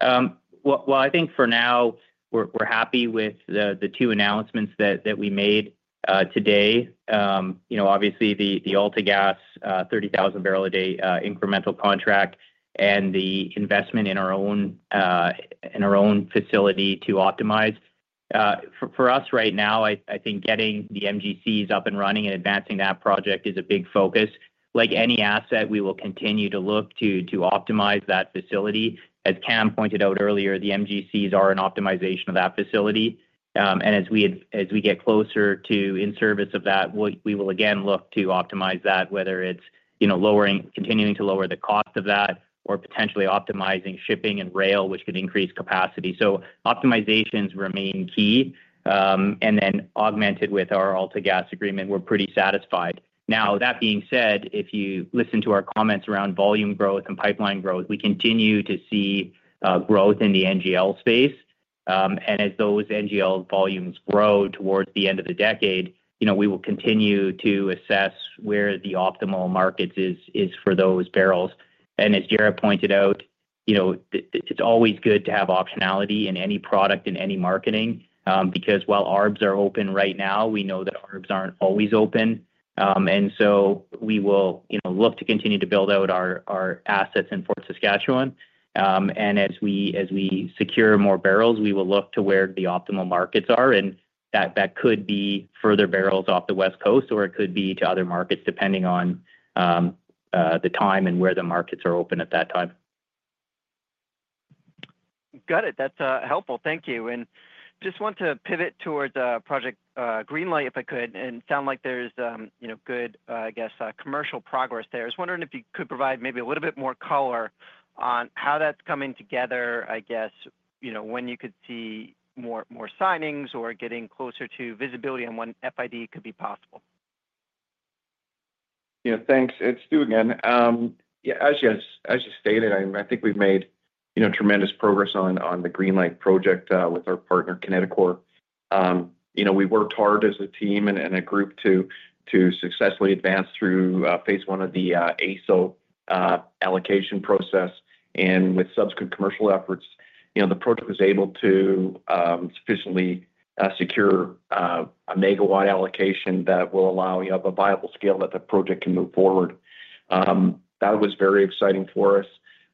S3: I think for now we're happy with the two announcements that we made today. Obviously, the AltaGas 30,000 bpd incremental contract and the investment in our own facility to optimize for us right now, I think getting the MGCs up and running and advancing that project is a big focus. Like any asset, we will continue to look to optimize that facility. As Cam pointed out earlier, the MGCs are an optimization of that facility. As we get closer to in-service of that, we will again look to optimize that, whether it's continuing to lower the cost of that or potentially optimizing shipping and rail, which could increase capacity. Optimizations remain key and then augmented with our AltaGas agreement we're pretty satisfied now. That being said, if you listen to our comments around volume growth and pipeline growth, we continue to see growth in the NGL space. As those NGL volumes grow towards the end of the decade, we will continue to assess where the optimal market is for those barrels. As Jaret pointed out, it's always good to have optionality in any product, in any marketing, because while ARBs are open right now, we know that ARBs aren't always open. We will look to continue to build out our assets in Fort Saskatchewan. As we secure more barrels, we will look to where the optimal markets are, and that could be further barrels off the west coast or it could be to other markets, depending on the time and where the markets are open at that time.
S11: Got it. That's helpful. Thank you. I just want to pivot towards Project Greenlight if I could. It sounds like there's good, I guess, commercial progress there. I was wondering if you could provide maybe a little bit more color on how that's coming together. I guess, you know, when you could see more signings or getting closer to visibility on when FID could be possible.
S10: Yeah, thanks. It's Stu again. Yes, as you stated, I think we've made tremendous progress on the Greenlight project with our partner, Connecticore. We worked hard as a team and a group to successfully advance through phase one of the AESO allocation process. With subsequent commercial efforts, the project was able to sufficiently secure a megawatt allocation that will allow you to have a viable scale that the project can move forward. That was very exciting for us.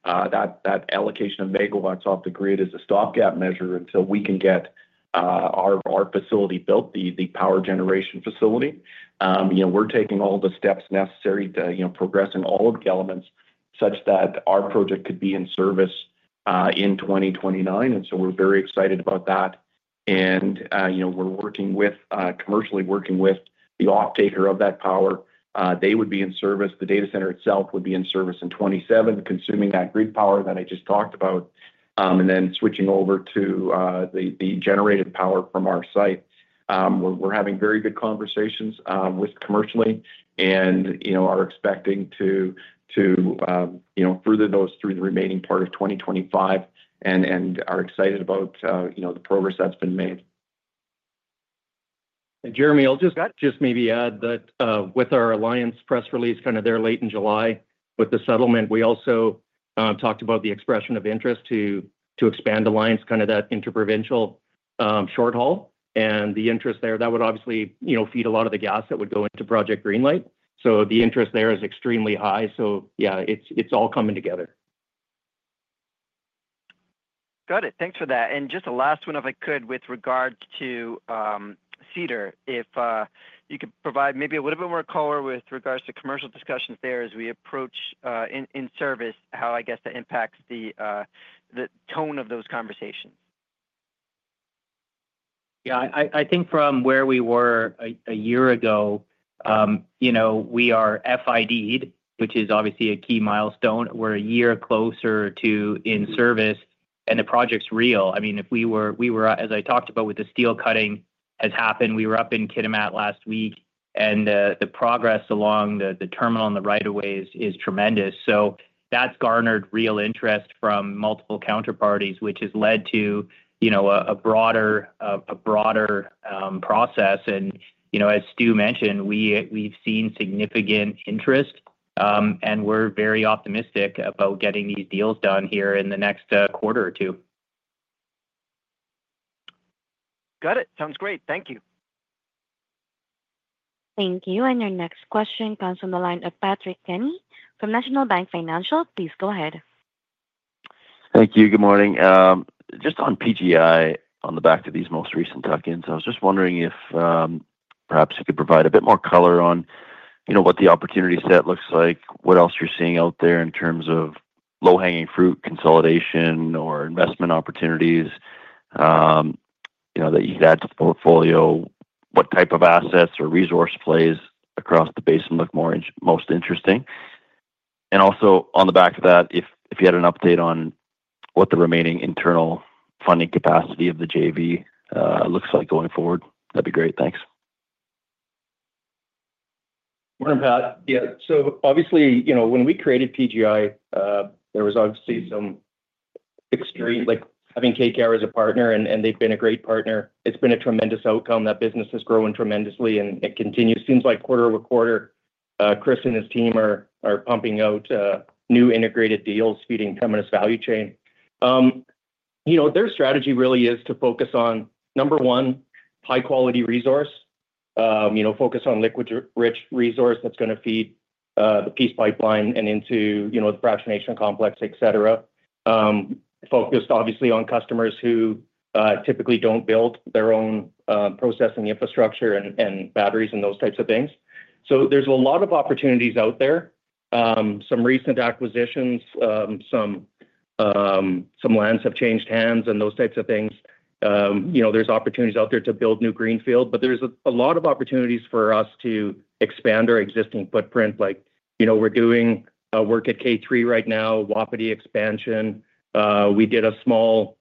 S10: That allocation of megawatts off the grid is a stopgap measure until we can get our facility built, the power generation facility. We're taking all the steps necessary to progress all of the elements such that our project could be in service in 2029. We're very excited about that. We're working with, commercially working with the off taker of that power. They would be in service. The data center itself would be in service in 2027, consuming that grid power that I just talked about and then switching over to the generated power from our site. We're having very good conversations commercially and are expecting to further those through the remaining part of 2025 and are excited about the progress that's been made.
S6: Jeremy, I'll just maybe add that with our Alliance press release there late in July with the settlement, we also talked about the expression of interest to expand Alliance, that interprovincial short haul, and the interest there that would obviously feed a lot of the gas that would go into Project Greenlight. The interest there is extremely high. Yeah, it's all coming together.
S11: Got it. Thanks for that. Just the last one, if I could with regards to Cedar, if you could provide maybe a little bit more color with regards to commercial discussions there as we approach in-service, how I guess that impacts the tone of those conversations.
S6: Yeah, I think from where we were a year ago, you know we are FID, which is obviously a key milestone. We're a year closer to in-service and the project's real. I mean, as I talked about with the steel cutting, that has happened. We were up in Kitimat last week and the progress along the terminal and the right of ways is tremendous. That's garnered real interest from multiple counterparties, which has led to a broader process. As Stu mentioned, we've seen significant interest and we're very optimistic about getting these deals done here in the next quarter or two.
S11: Got it. Sounds great. Thank you.
S1: Thank you. Your next question comes from the line of Patrick Kenny from National Bank Financial. Please go ahead.
S12: Thank you. Good morning. Just on PGI, on the back of these most recent tuck-ins, I was just wondering if perhaps you could provide a bit more color on what the opportunity set looks like. What else you're seeing out there in terms of low-hanging fruit, consolidation, or investment opportunities that you could add to the portfolio. What type of assets or resource plays across the basin look most interesting. Also, on the back of that, if you had an update on what the remaining internal funding capacity of the JV looks like going forward, that'd be great. Thanks.
S6: Morning Pat. Yeah, so obviously when we created PGI there was obviously some extreme like having KKR as a partner, and they've been a great partner. It's been a tremendous outcome. That business has grown tremendously and it continues, seems like, quarter-over-quarter. Chris and his team are pumping out new integrated deals feeding terminus value chain. You know, their strategy really is to focus on, number one, high quality resource. You know, focus on liquid rich resource that's going to feed the Peace Pipeline and into, you know, the fractionation complex, etc. Focused obviously on customers who typically don't build their own processing infrastructure and batteries and those types of things. There's a lot of opportunities out there. Some recent acquisitions, some lands have changed hands and those types of things. There's opportunities out there to build new greenfield, but there's a lot of opportunities for us to expand our existing footprint. Like, you know, we're doing work at K3 right now. Wapiti expansion. We did a small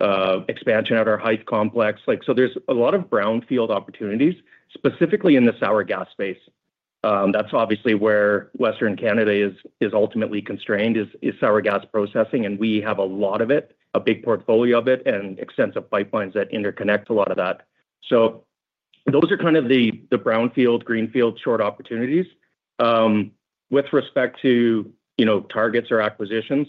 S6: expansion at our Hythe complex, like, so there's a lot of brownfield opportunities, specifically in the sour gas space. That's obviously where Western Canada is ultimately constrained, is sour gas processing. We have a lot of it, a big portfolio of it, and extensive pipelines that interconnect a lot of that. Those are kind of the brownfield, greenfield short opportunities with respect to, you know, targets or acquisitions.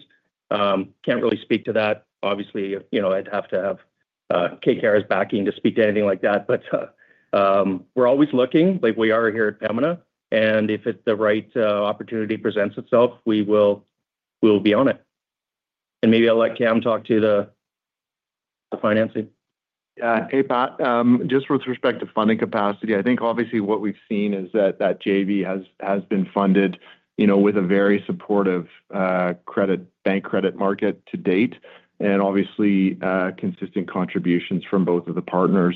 S6: Can't really speak to that. Obviously, I'd have to have KKR's backing to speak to anything like that. We're always looking, like we are here at Pembina. If the right opportunity presents itself, we will, we'll be on it. Maybe I'll let Cam talk to the financing.
S4: Hey, Pat, just with respect to funding capacity, I think obviously what we've seen is that JV has been funded with a very supportive bank credit market to date and consistent contributions from both of the partners.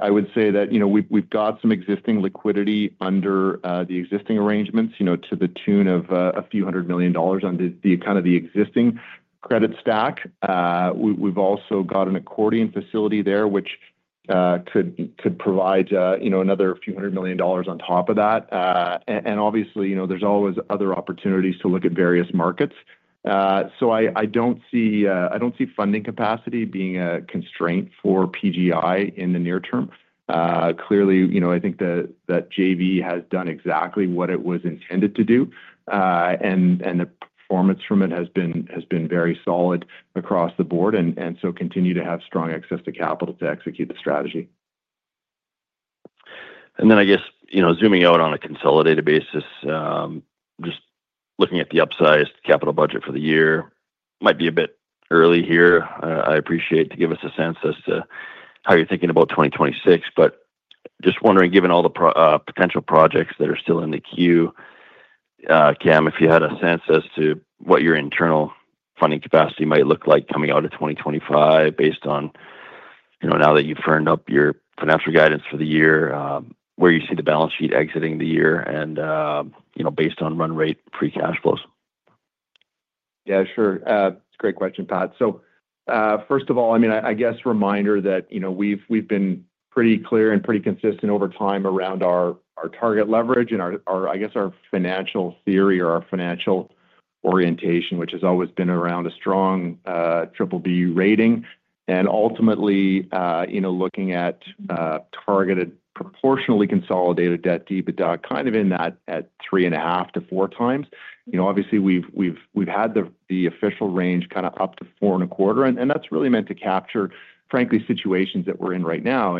S4: I would say that we've got some existing liquidity under the existing arrangements to the tune of a few hundred million dollars on the existing credit stack. We've also got an accordion facility there which could provide another few hundred million dollars on top of that. Obviously, there's always other opportunities to look at various markets. I don't see funding capacity being a constraint for PGI in the near term. Clearly, I think that JV has done exactly what it was intended to do and the performance from it has been very solid across the Board, so continue to have strong access to capital to execute the strategy.
S12: I guess, zooming out on a consolidated basis, just looking at the upsized capital budget for the year might be a bit early here. I appreciate to give us a sense as to how you're thinking about 2026, but just wondering, given all the potential projects that are still in the queue, Cam, if you had a sense as to what your internal funding capacity might look like coming out of 2025 based on now that you've earned up your financial guidance for the year, where you see the balance sheet exiting the year and, you know, based on run rate, free cash flows.
S4: Yeah, sure. Great question, Pat. First of all, reminder that we've been pretty clear and pretty consistent over time around our target leverage and our financial theory or our financial orientation, which has always been around a strong BBB rating and ultimately looking at targeted proportionally consolidated debt to EBITDA kind of in that at 3.5x-4x. Obviously, we've had the official range kind of up to 4.25x and that's really meant to capture, frankly, situations that we're in right now.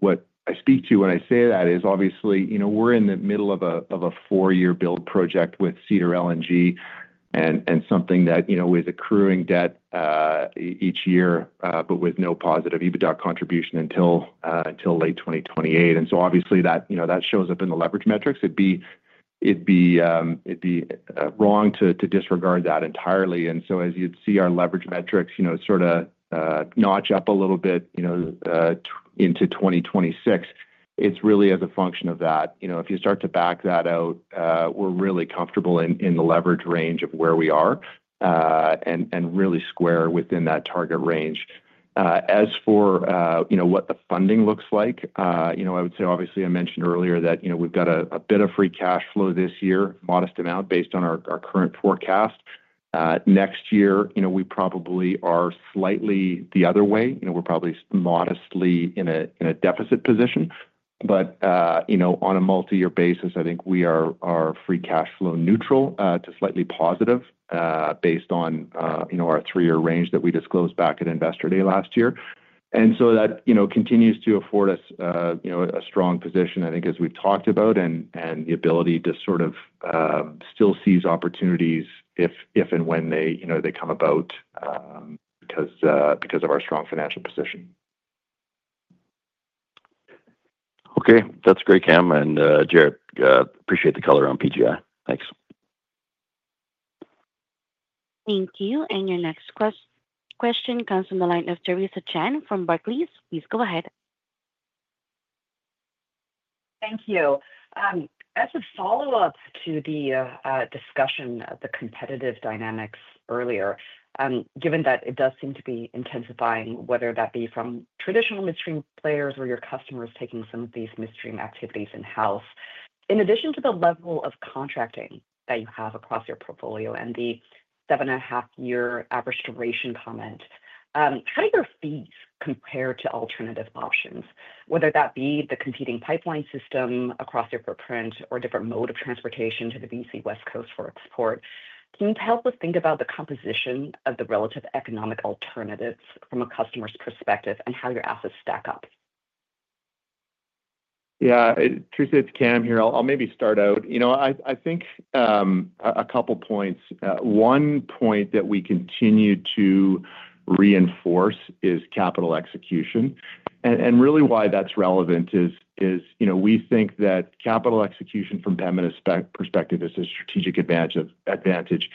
S4: What I speak to when I say that is, obviously, we're in the middle of a four-year build project with Cedar LNG and something that is accruing debt each year but with no positive EBITDA contribution until late 2028. That shows up in the leverage metrics. It'd be wrong to disregard that entirely. As you'd see, our leverage metrics sort of notch up a little bit into 2026. It's really as a function of that. If you start to back that out, we're really comfortable in the leverage range of where we are and really square within that target range. As for what the funding looks like, I would say, obviously, I mentioned earlier that we've got a bit of cash flow this year, modest amount based on our current forecast. Next year, we probably are slightly the other way. We're probably modestly in a deficit position, but on a multi-year basis, I think we are free cash flow neutral to slightly positive based on our three-year range that we disclosed back at Investor Day last year. That continues to afford us a strong position, I think, as we've talked about, and the ability to sort of still seize opportunities if and when they come about because of our strong financial position.
S12: Okay, that's great. Cam and Jaret, appreciate the color on PGI. Thanks.
S1: Thank you. Your next question comes from the line of Theresa Chen from Barclays. Please go ahead.
S13: Thank you. As a follow-up to the discussion of the competitive dynamics earlier, given that it does seem to be intensifying, whether that be from traditional midstream players or your customers taking some of these midstream. Activities in-house, in addition to the. Level of contracting that you have across your portfolio and the 7.5-year average duration comment, setting your fees compared to alternative options, whether that be the competing pipeline system across your footprint or different mode of transportation to the B.C. West Coast for export, can you help? Us think about the composition of the. Relative economic alternatives from a customer's perspective. How do your assets stack up?
S4: Yeah, I'll maybe start out. I think a couple points. One point that we continue to reinforce is capital execution. Really why that's relevant is we think that capital execution from Pembina perspective is a strategic advantage.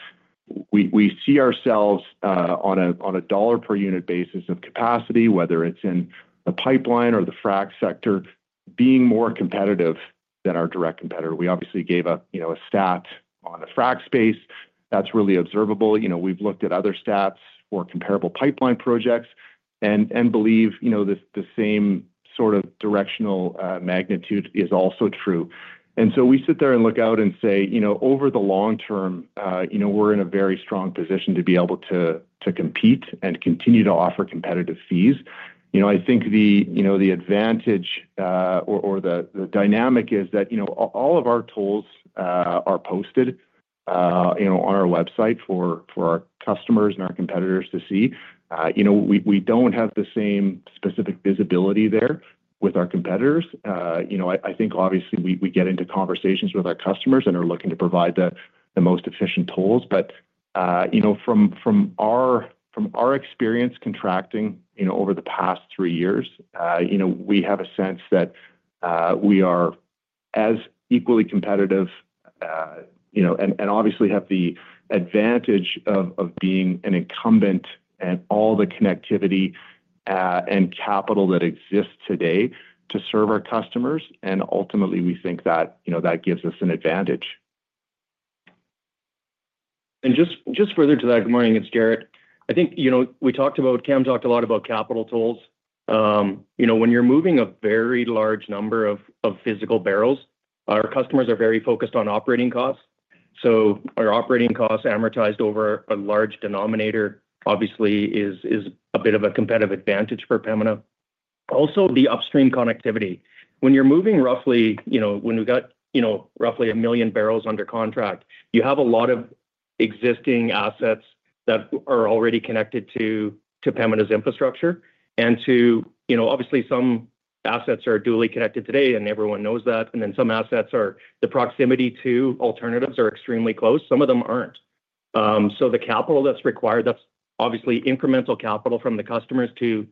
S4: We see ourselves on a dollar per unit basis of capacity, whether it's in the pipeline or the frac sector, being more competitive than our direct competitor. We obviously gave up a stat on the frac space that's really observable. We've looked at other stats or comparable pipeline projects and believe the same sort of directional magnitude is also true. We sit there and look out and say, over the long-term, we're in a very strong position to be able to compete and continue to offer competitive fees. I think the advantage or the dynamic is that all of our tools are posted on our website for our customers and our competitors to see. We don't have the same specific visibility there with our competitors. I think obviously we get into conversations with our customers and are looking to provide the most efficient tools. From our experience contracting over the past three years, we have a sense that we are as equally competitive and obviously have the advantage of being an incumbent and all the connectivity and capital that exists today to serve our customers. Ultimately, we think that gives us an advantage.
S6: Further to that, good morning, it's Jaret. I think, you know, we talked about, Cam talked a lot about capital tools. When you're moving a very large number of physical barrels, our customers are very focused on operating costs. Our operating costs amortized over a large denominator obviously is a bit of a competitive advantage for Pembina. Also, the upstream connectivity, when you're moving roughly, you know, when we got roughly a 1 million bbl under contract, you have a lot of existing assets that are already connected to Pembina's infrastructure and to, you know, obviously some assets are duly connected today, and everyone knows that. Some assets are, the proximity to alternatives are extremely close. Some of them aren't. The capital that's required, that's obviously incremental capital from the customers to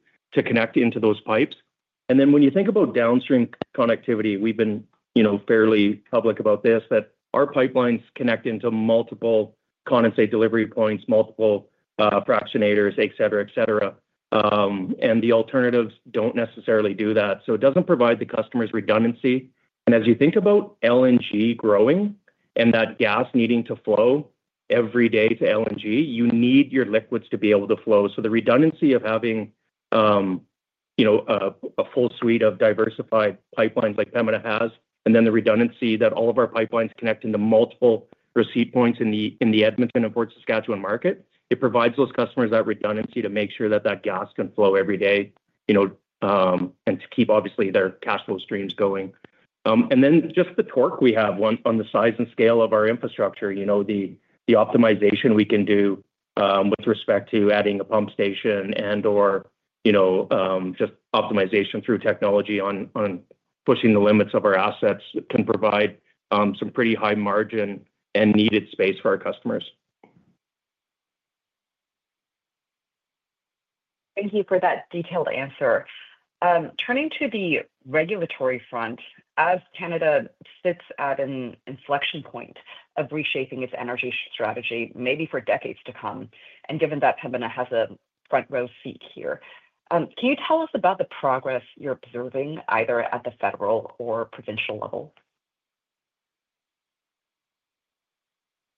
S6: connect into those pipes. When you think about downstream connectivity, we've been fairly public about this, that our pipelines connect into multiple condensate delivery points, multiple fractionators, et cetera. The alternatives don't necessarily do that, so it doesn't provide the customers redundancy. As you think about LNG growing and that gas needing to flow every day to LNG, you need your liquids to be able to flow. The redundancy of having a full suite of diversified pipelines like Pembina has, and then the redundancy that all of our pipelines connect into multiple receipt points in the Edmonton and Port Saskatchewan market, provides those customers that redundancy to make sure that gas can flow every day and to keep obviously their cash flow streams going. The torque we have on the size and scale of our infrastructure, the optimization we can do with respect to adding a pump station and, or just optimization through technology on pushing the limits of our assets, can provide some pretty high margin and needed space for our customers.
S13: Thank you for that detailed answer. Turning to the regulatory front, as Canada sits at an inflection point of reshaping its energy strategy maybe for decades to come. Given that Pembina has a front row seat here. Can you tell us about the progress you're observing either at the federal or provincial levels?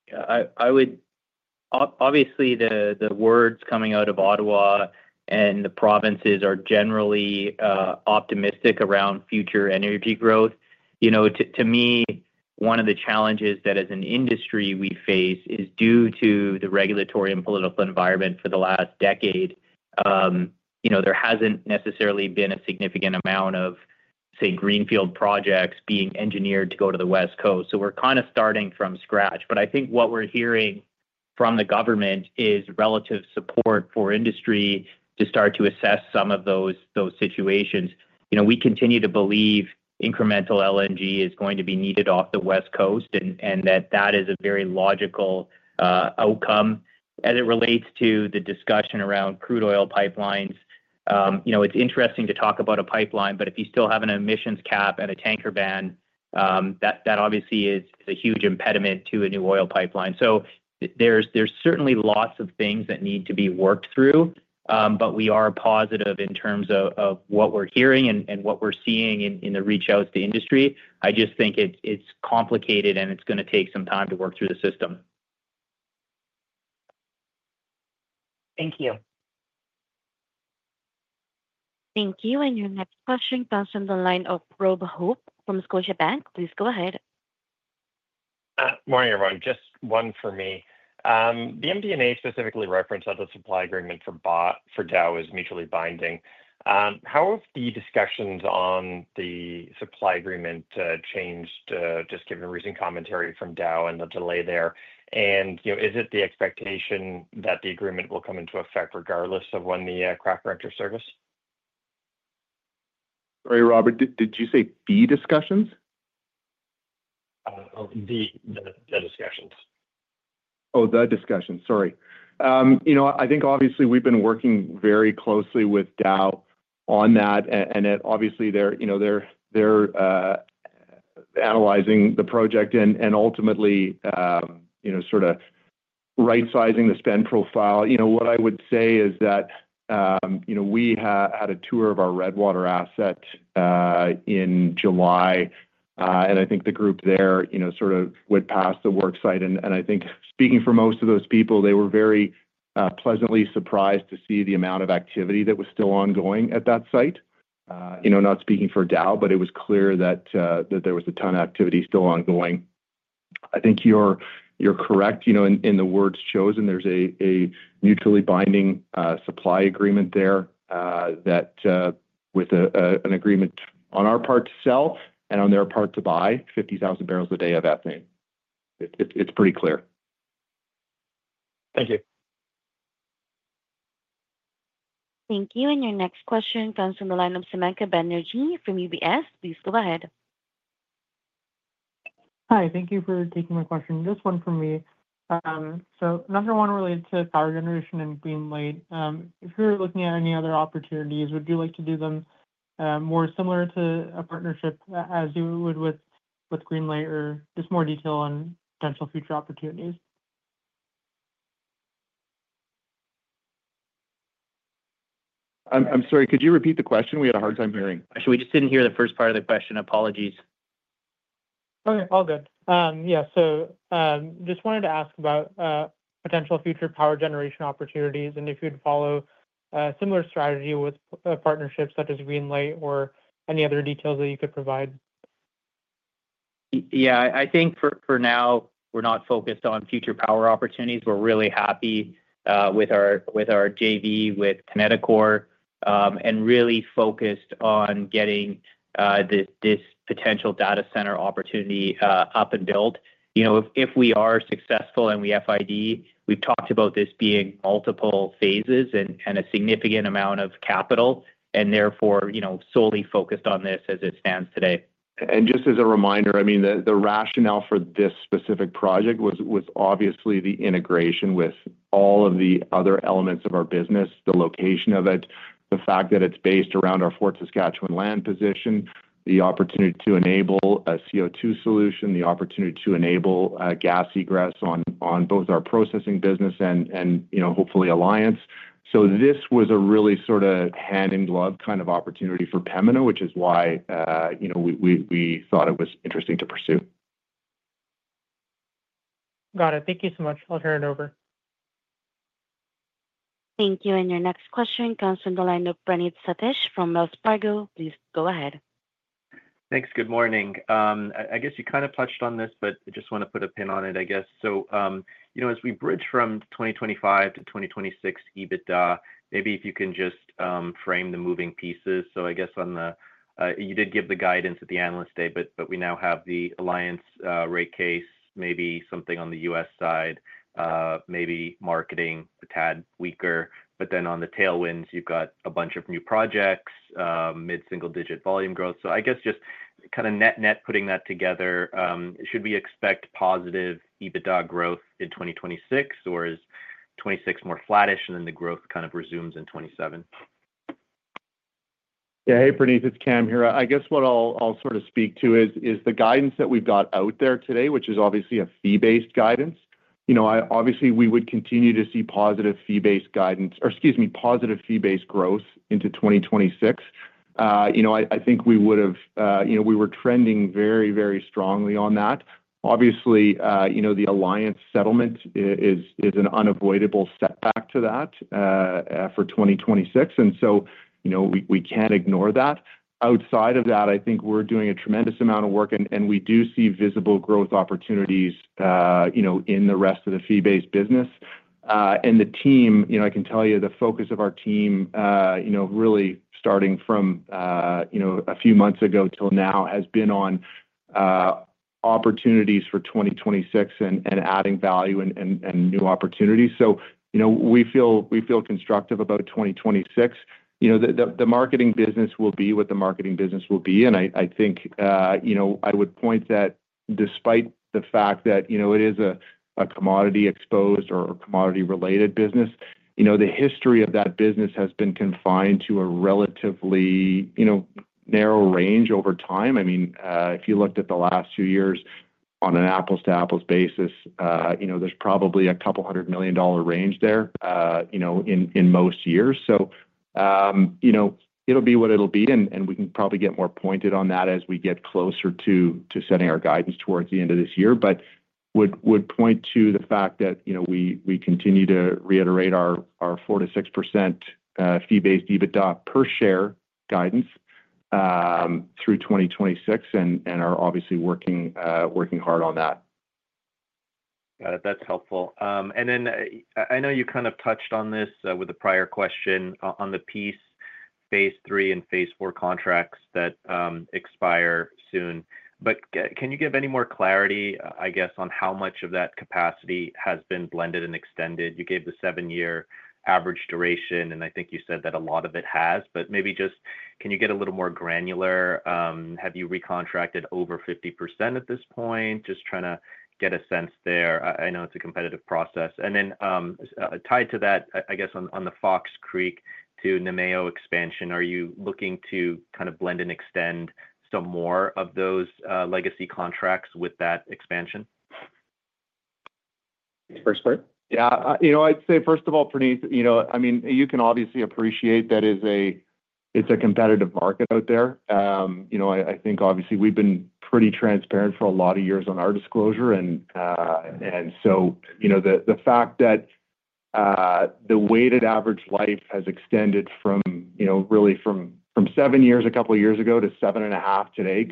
S3: Yeah, I would. Obviously, the words coming out of Ottawa and the provinces are generally optimistic around future energy growth. One of the challenges that as an industry we face is due to the regulatory and political environment for the last decade. There hasn't necessarily been a significant amount of, say, greenfield projects being engineered to go to the West Coast. We're kind of starting from scratch. I think what we're hearing from the government is relative support for industry to start to assess some of those situations. We continue to believe incremental LNG is going to be needed off the West Coast and that is a very logical outcome as it relates to the discussion around crude oil pipelines. It's interesting to talk about a pipeline, but if you still have an emissions cap and a tanker ban, that obviously is a huge impediment to a new oil pipeline. There are certainly lots of things that need to be worked through. We are positive in terms of what we're hearing and what we're seeing in the reach outs to industry. I just think it's complicated and it's going to take some time to work through the system.
S9: Thank you.
S1: Thank you. Your next question comes from the line of Rob Hope from Scotiabank. Please go ahead.
S14: Morning everyone. Just one for me. The MD&A specifically referenced that the supply agreement for Dow is mutually binding. How have the discussions on the supply agreement changed, just given recent commentary from Dow and the delay there, and is it the expectation that the agreement will come into effect regardless of when the craft enters service?
S4: Sorry, Robert, did you say b discussions?
S14: The discussions.
S4: Oh, the discussion. Sorry. I think obviously we've been working very closely with Dow on that, and obviously they're analyzing the project and ultimately, sort of, right siizing the spend profile. What I would say is that we had a tour of our Redwater asset in July, and I think the group there sort of went past the work site. I think, speaking for most of those people, they were very pleasantly surprised to see the amount of activity that was still ongoing at that site. Not speaking for Dow, but it was clear that there was a ton of activity still ongoing. I think you're correct in the words chosen. There's a mutually binding supply agreement there, with an agreement on our part to sell and on their part to buy 50,000 bpd of ethane. It's pretty clear.
S14: Thank you.
S1: Thank you. Your next question comes from the line of Sumantra Banerjee from UBS. Please go ahead.
S15: Hi. Thank you for taking my question. Just one for me. Number one, related to power generation and Greenlight, if you're looking at any other opportunities, would you like to do them more similar to a partnership as you would with Greenlight, or just more detail on potential future opportunities?
S4: I'm sorry, could you repeat the question? We had a hard time hearing.
S9: Actually, we just didn't hear the first part of the question. Apologies.
S15: Okay. All good. Yeah. I wanted to ask about potential future power generation opportunities and if you'd follow a similar strategy with partnerships such as Greenlight or any other details that you could provide.
S3: Yeah, I think for now we're not focused on future power opportunities. We're really happy with our JV with Connecticore and really focused on getting this potential data center opportunity up and built if we are successful. We've talked about this being multiple phases and a significant amount of capital, and therefore, you know, solely focused on this as it stands today.
S4: Just as a reminder, the rationale for this specific project was obviously the integration with all of the other elements of our business, the location of it, the fact that it's based around our Fort Saskatchewan land position, the opportunity to enable a CO2 solution, the opportunity to enable gas egress on both our processing business and hopefully Alliance. This was a really sort of hand-in-glove kind of opportunity for Pembina, which is why we thought it was interesting to pursue.
S9: Got it. Thank you so much. I'll turn it over.
S1: Thank you. Your next question comes from the line of Praneeth Satish from Wells Fargo. Please go ahead.
S16: Thanks. Good morning. I guess you kind of touched on. I just want to put a pin on it. I guess, as we. Bridge from 2025 to 2026 EBITDA maybe. If you can just frame the moving pieces. I guess on the you did. Give the guidance at the analyst day, but we now have the Alliance rate case, maybe something on the U.S. side, maybe marketing a tad weaker, but then on the tailwinds, you've got a bunch of new projects, mid single-digit volume growth. I guess just kind of net net putting that together. Should we expect positive adjusted EBITDA growth in 2026 or is 2026 more flattish. The growth kind of resumes in 2027?
S4: Yeah, hey Praneeth, it's Cam here. I guess what I'll sort of speak. To the guidance that we've got out there today, which is obviously a fee-based guidance. Obviously, we would continue to see positive fee-based guidance, or excuse me, positive fee-based growth into 2026. I think we were trending very, very strongly on that. Obviously, you know, the Alliance settlement is an unavoidable setback to that for 2026, and we can't ignore that. Outside of that, I think we're doing a tremendous amount of work and we do see visible growth opportunities in the rest of the fee-based business and the team. I can tell you the focus of our team, really starting from a few months ago till now, has been on opportunities for 2026 and adding value and new opportunities. We feel constructive about 2026. The marketing business will be what the marketing business will be, and I think, you know, I would point that despite the fact that it is a commodity-exposed or commodity-related business, the history of that business has been confined to a relatively narrow range over time. I mean, if you looked at the last few years on an apples-to-apples basis, there's probably a couple hundred million dollar range there in most years. It'll be what it'll be, and we can probably get more pointed on that as we get closer to setting our guidance towards the end of this year. I would point to the fact that we continue to reiterate our 4%-6% fee-based EBITDA per share guidance through 2026 and are obviously working hard on that.
S16: Got it. That's helpful. I know you kind of touched on this with the prior question on the Peace, phase three and phase four contracts that expire soon. Can you give any more clarity, I guess, on how much of that capacity has been blended and extended? You gave the 7 year average duration, and I think you said that lot of it has, but maybe just can you get a little more granular? Have you recontracted over 50% at this point? Just trying to get a sense there. I know it's a competitive process. Tied to that, I guess, on the Fox Creek to Namao expansion, are you looking to kind of blend extend some more of those legacy contracts with that expansion?
S4: First part? Yeah, you know, I'd say first of all, Praneeth, you know, you can obviously appreciate that it's a competitive market out there. I think obviously we've been pretty transparent for a lot of years on our disclosure, and the fact that the weighted average life has extended from seven years a couple years ago to seven and a half today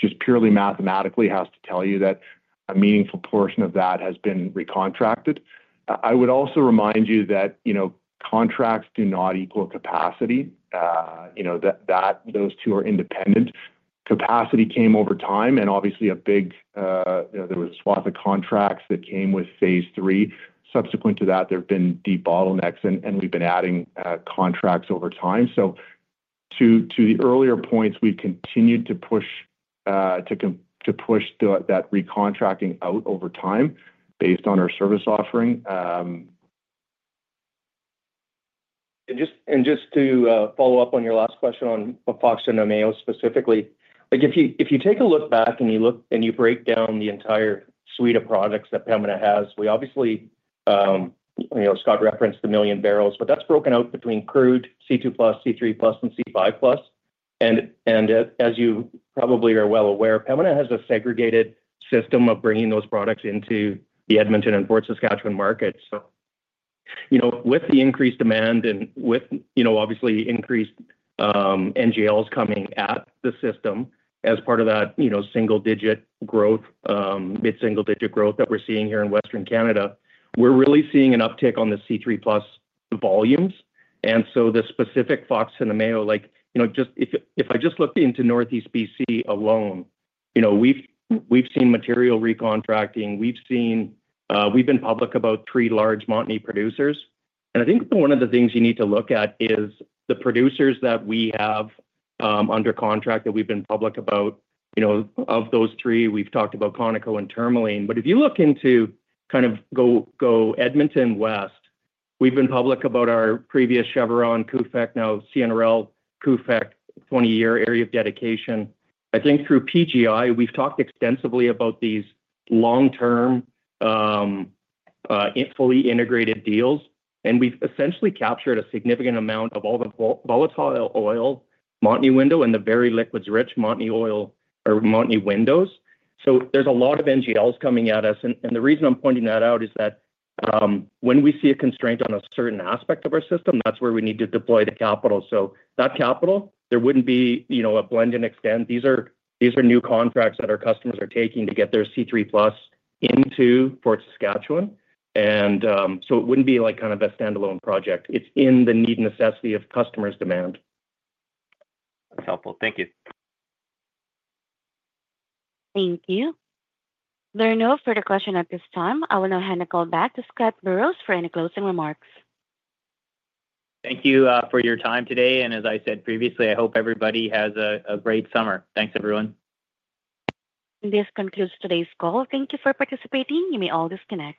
S4: just purely mathematically has to tell you that a meaningful portion of that has been recontracted. I would also remind you that contracts do not equal capacity. You know that those two are independent. Capacity came over time, and obviously a big, there was a swath of contracts that came with phase three. Subsequent to that, there have been debottlenecks and we've been adding contracts over time. To the earlier points, we've continued to push that recontracting out over time based on our service offering.
S6: Just to follow up on your last question on Fox and Namao specifically, if you take a look back and you break down the entire suite of products that Pembina has, Scott referenced the million barrels, but that's broken out between crude, C2+, C3+, and C5+. As you probably are well aware, Pembina has a segregated system of bringing those products into the Edmonton and Fort Saskatchewan market. With the increased demand and with increased NGLs coming at the system as part of that single-digit growth, mid-single-digit growth that we're seeing here in Western Canada, we're really seeing an uptick on the C3+ volumes. The specific Fox and Namao, if I just looked into Northeast B.C. alone, we've seen material recontracting. We've been public about three large Montney producers, and I think one of the things you need to look at is the producers that we have under contract that we've been public about. Of those three, we've talked about Conoco and Tourmaline. If you look into Edmonton West, we've been public about our previous Chevron CUFAC, now CNRL CUFAC, 20-year area of dedication. Through PGI, we've talked extensively about these long-term, fully integrated deals, and we've essentially captured a significant amount of all the volatile oil Montney window and the very liquids-rich Montney oil or remotely windows. There's a lot of NGLs coming at us. The reason I'm pointing that out is that when we see a constraint on a certain aspect of our system, that's where we need to deploy the capital. That capital there wouldn't be a blend and extend. These are new contracts that our customers are taking to get their C3+ into Fort Saskatchewan. It wouldn't be a standalone project. It's in the need, necessity of customers' demand.
S16: That's helpful. Thank you.
S1: Thank you. There are no further questions at this time. I will now hand the call back to Scott Burrows for any closing remarks.
S3: Thank you for your time today, and as I said previously, I hope everybody has a great summer. Thanks, everyone.
S1: This concludes today's call. Thank you for participating. You may all disconnect.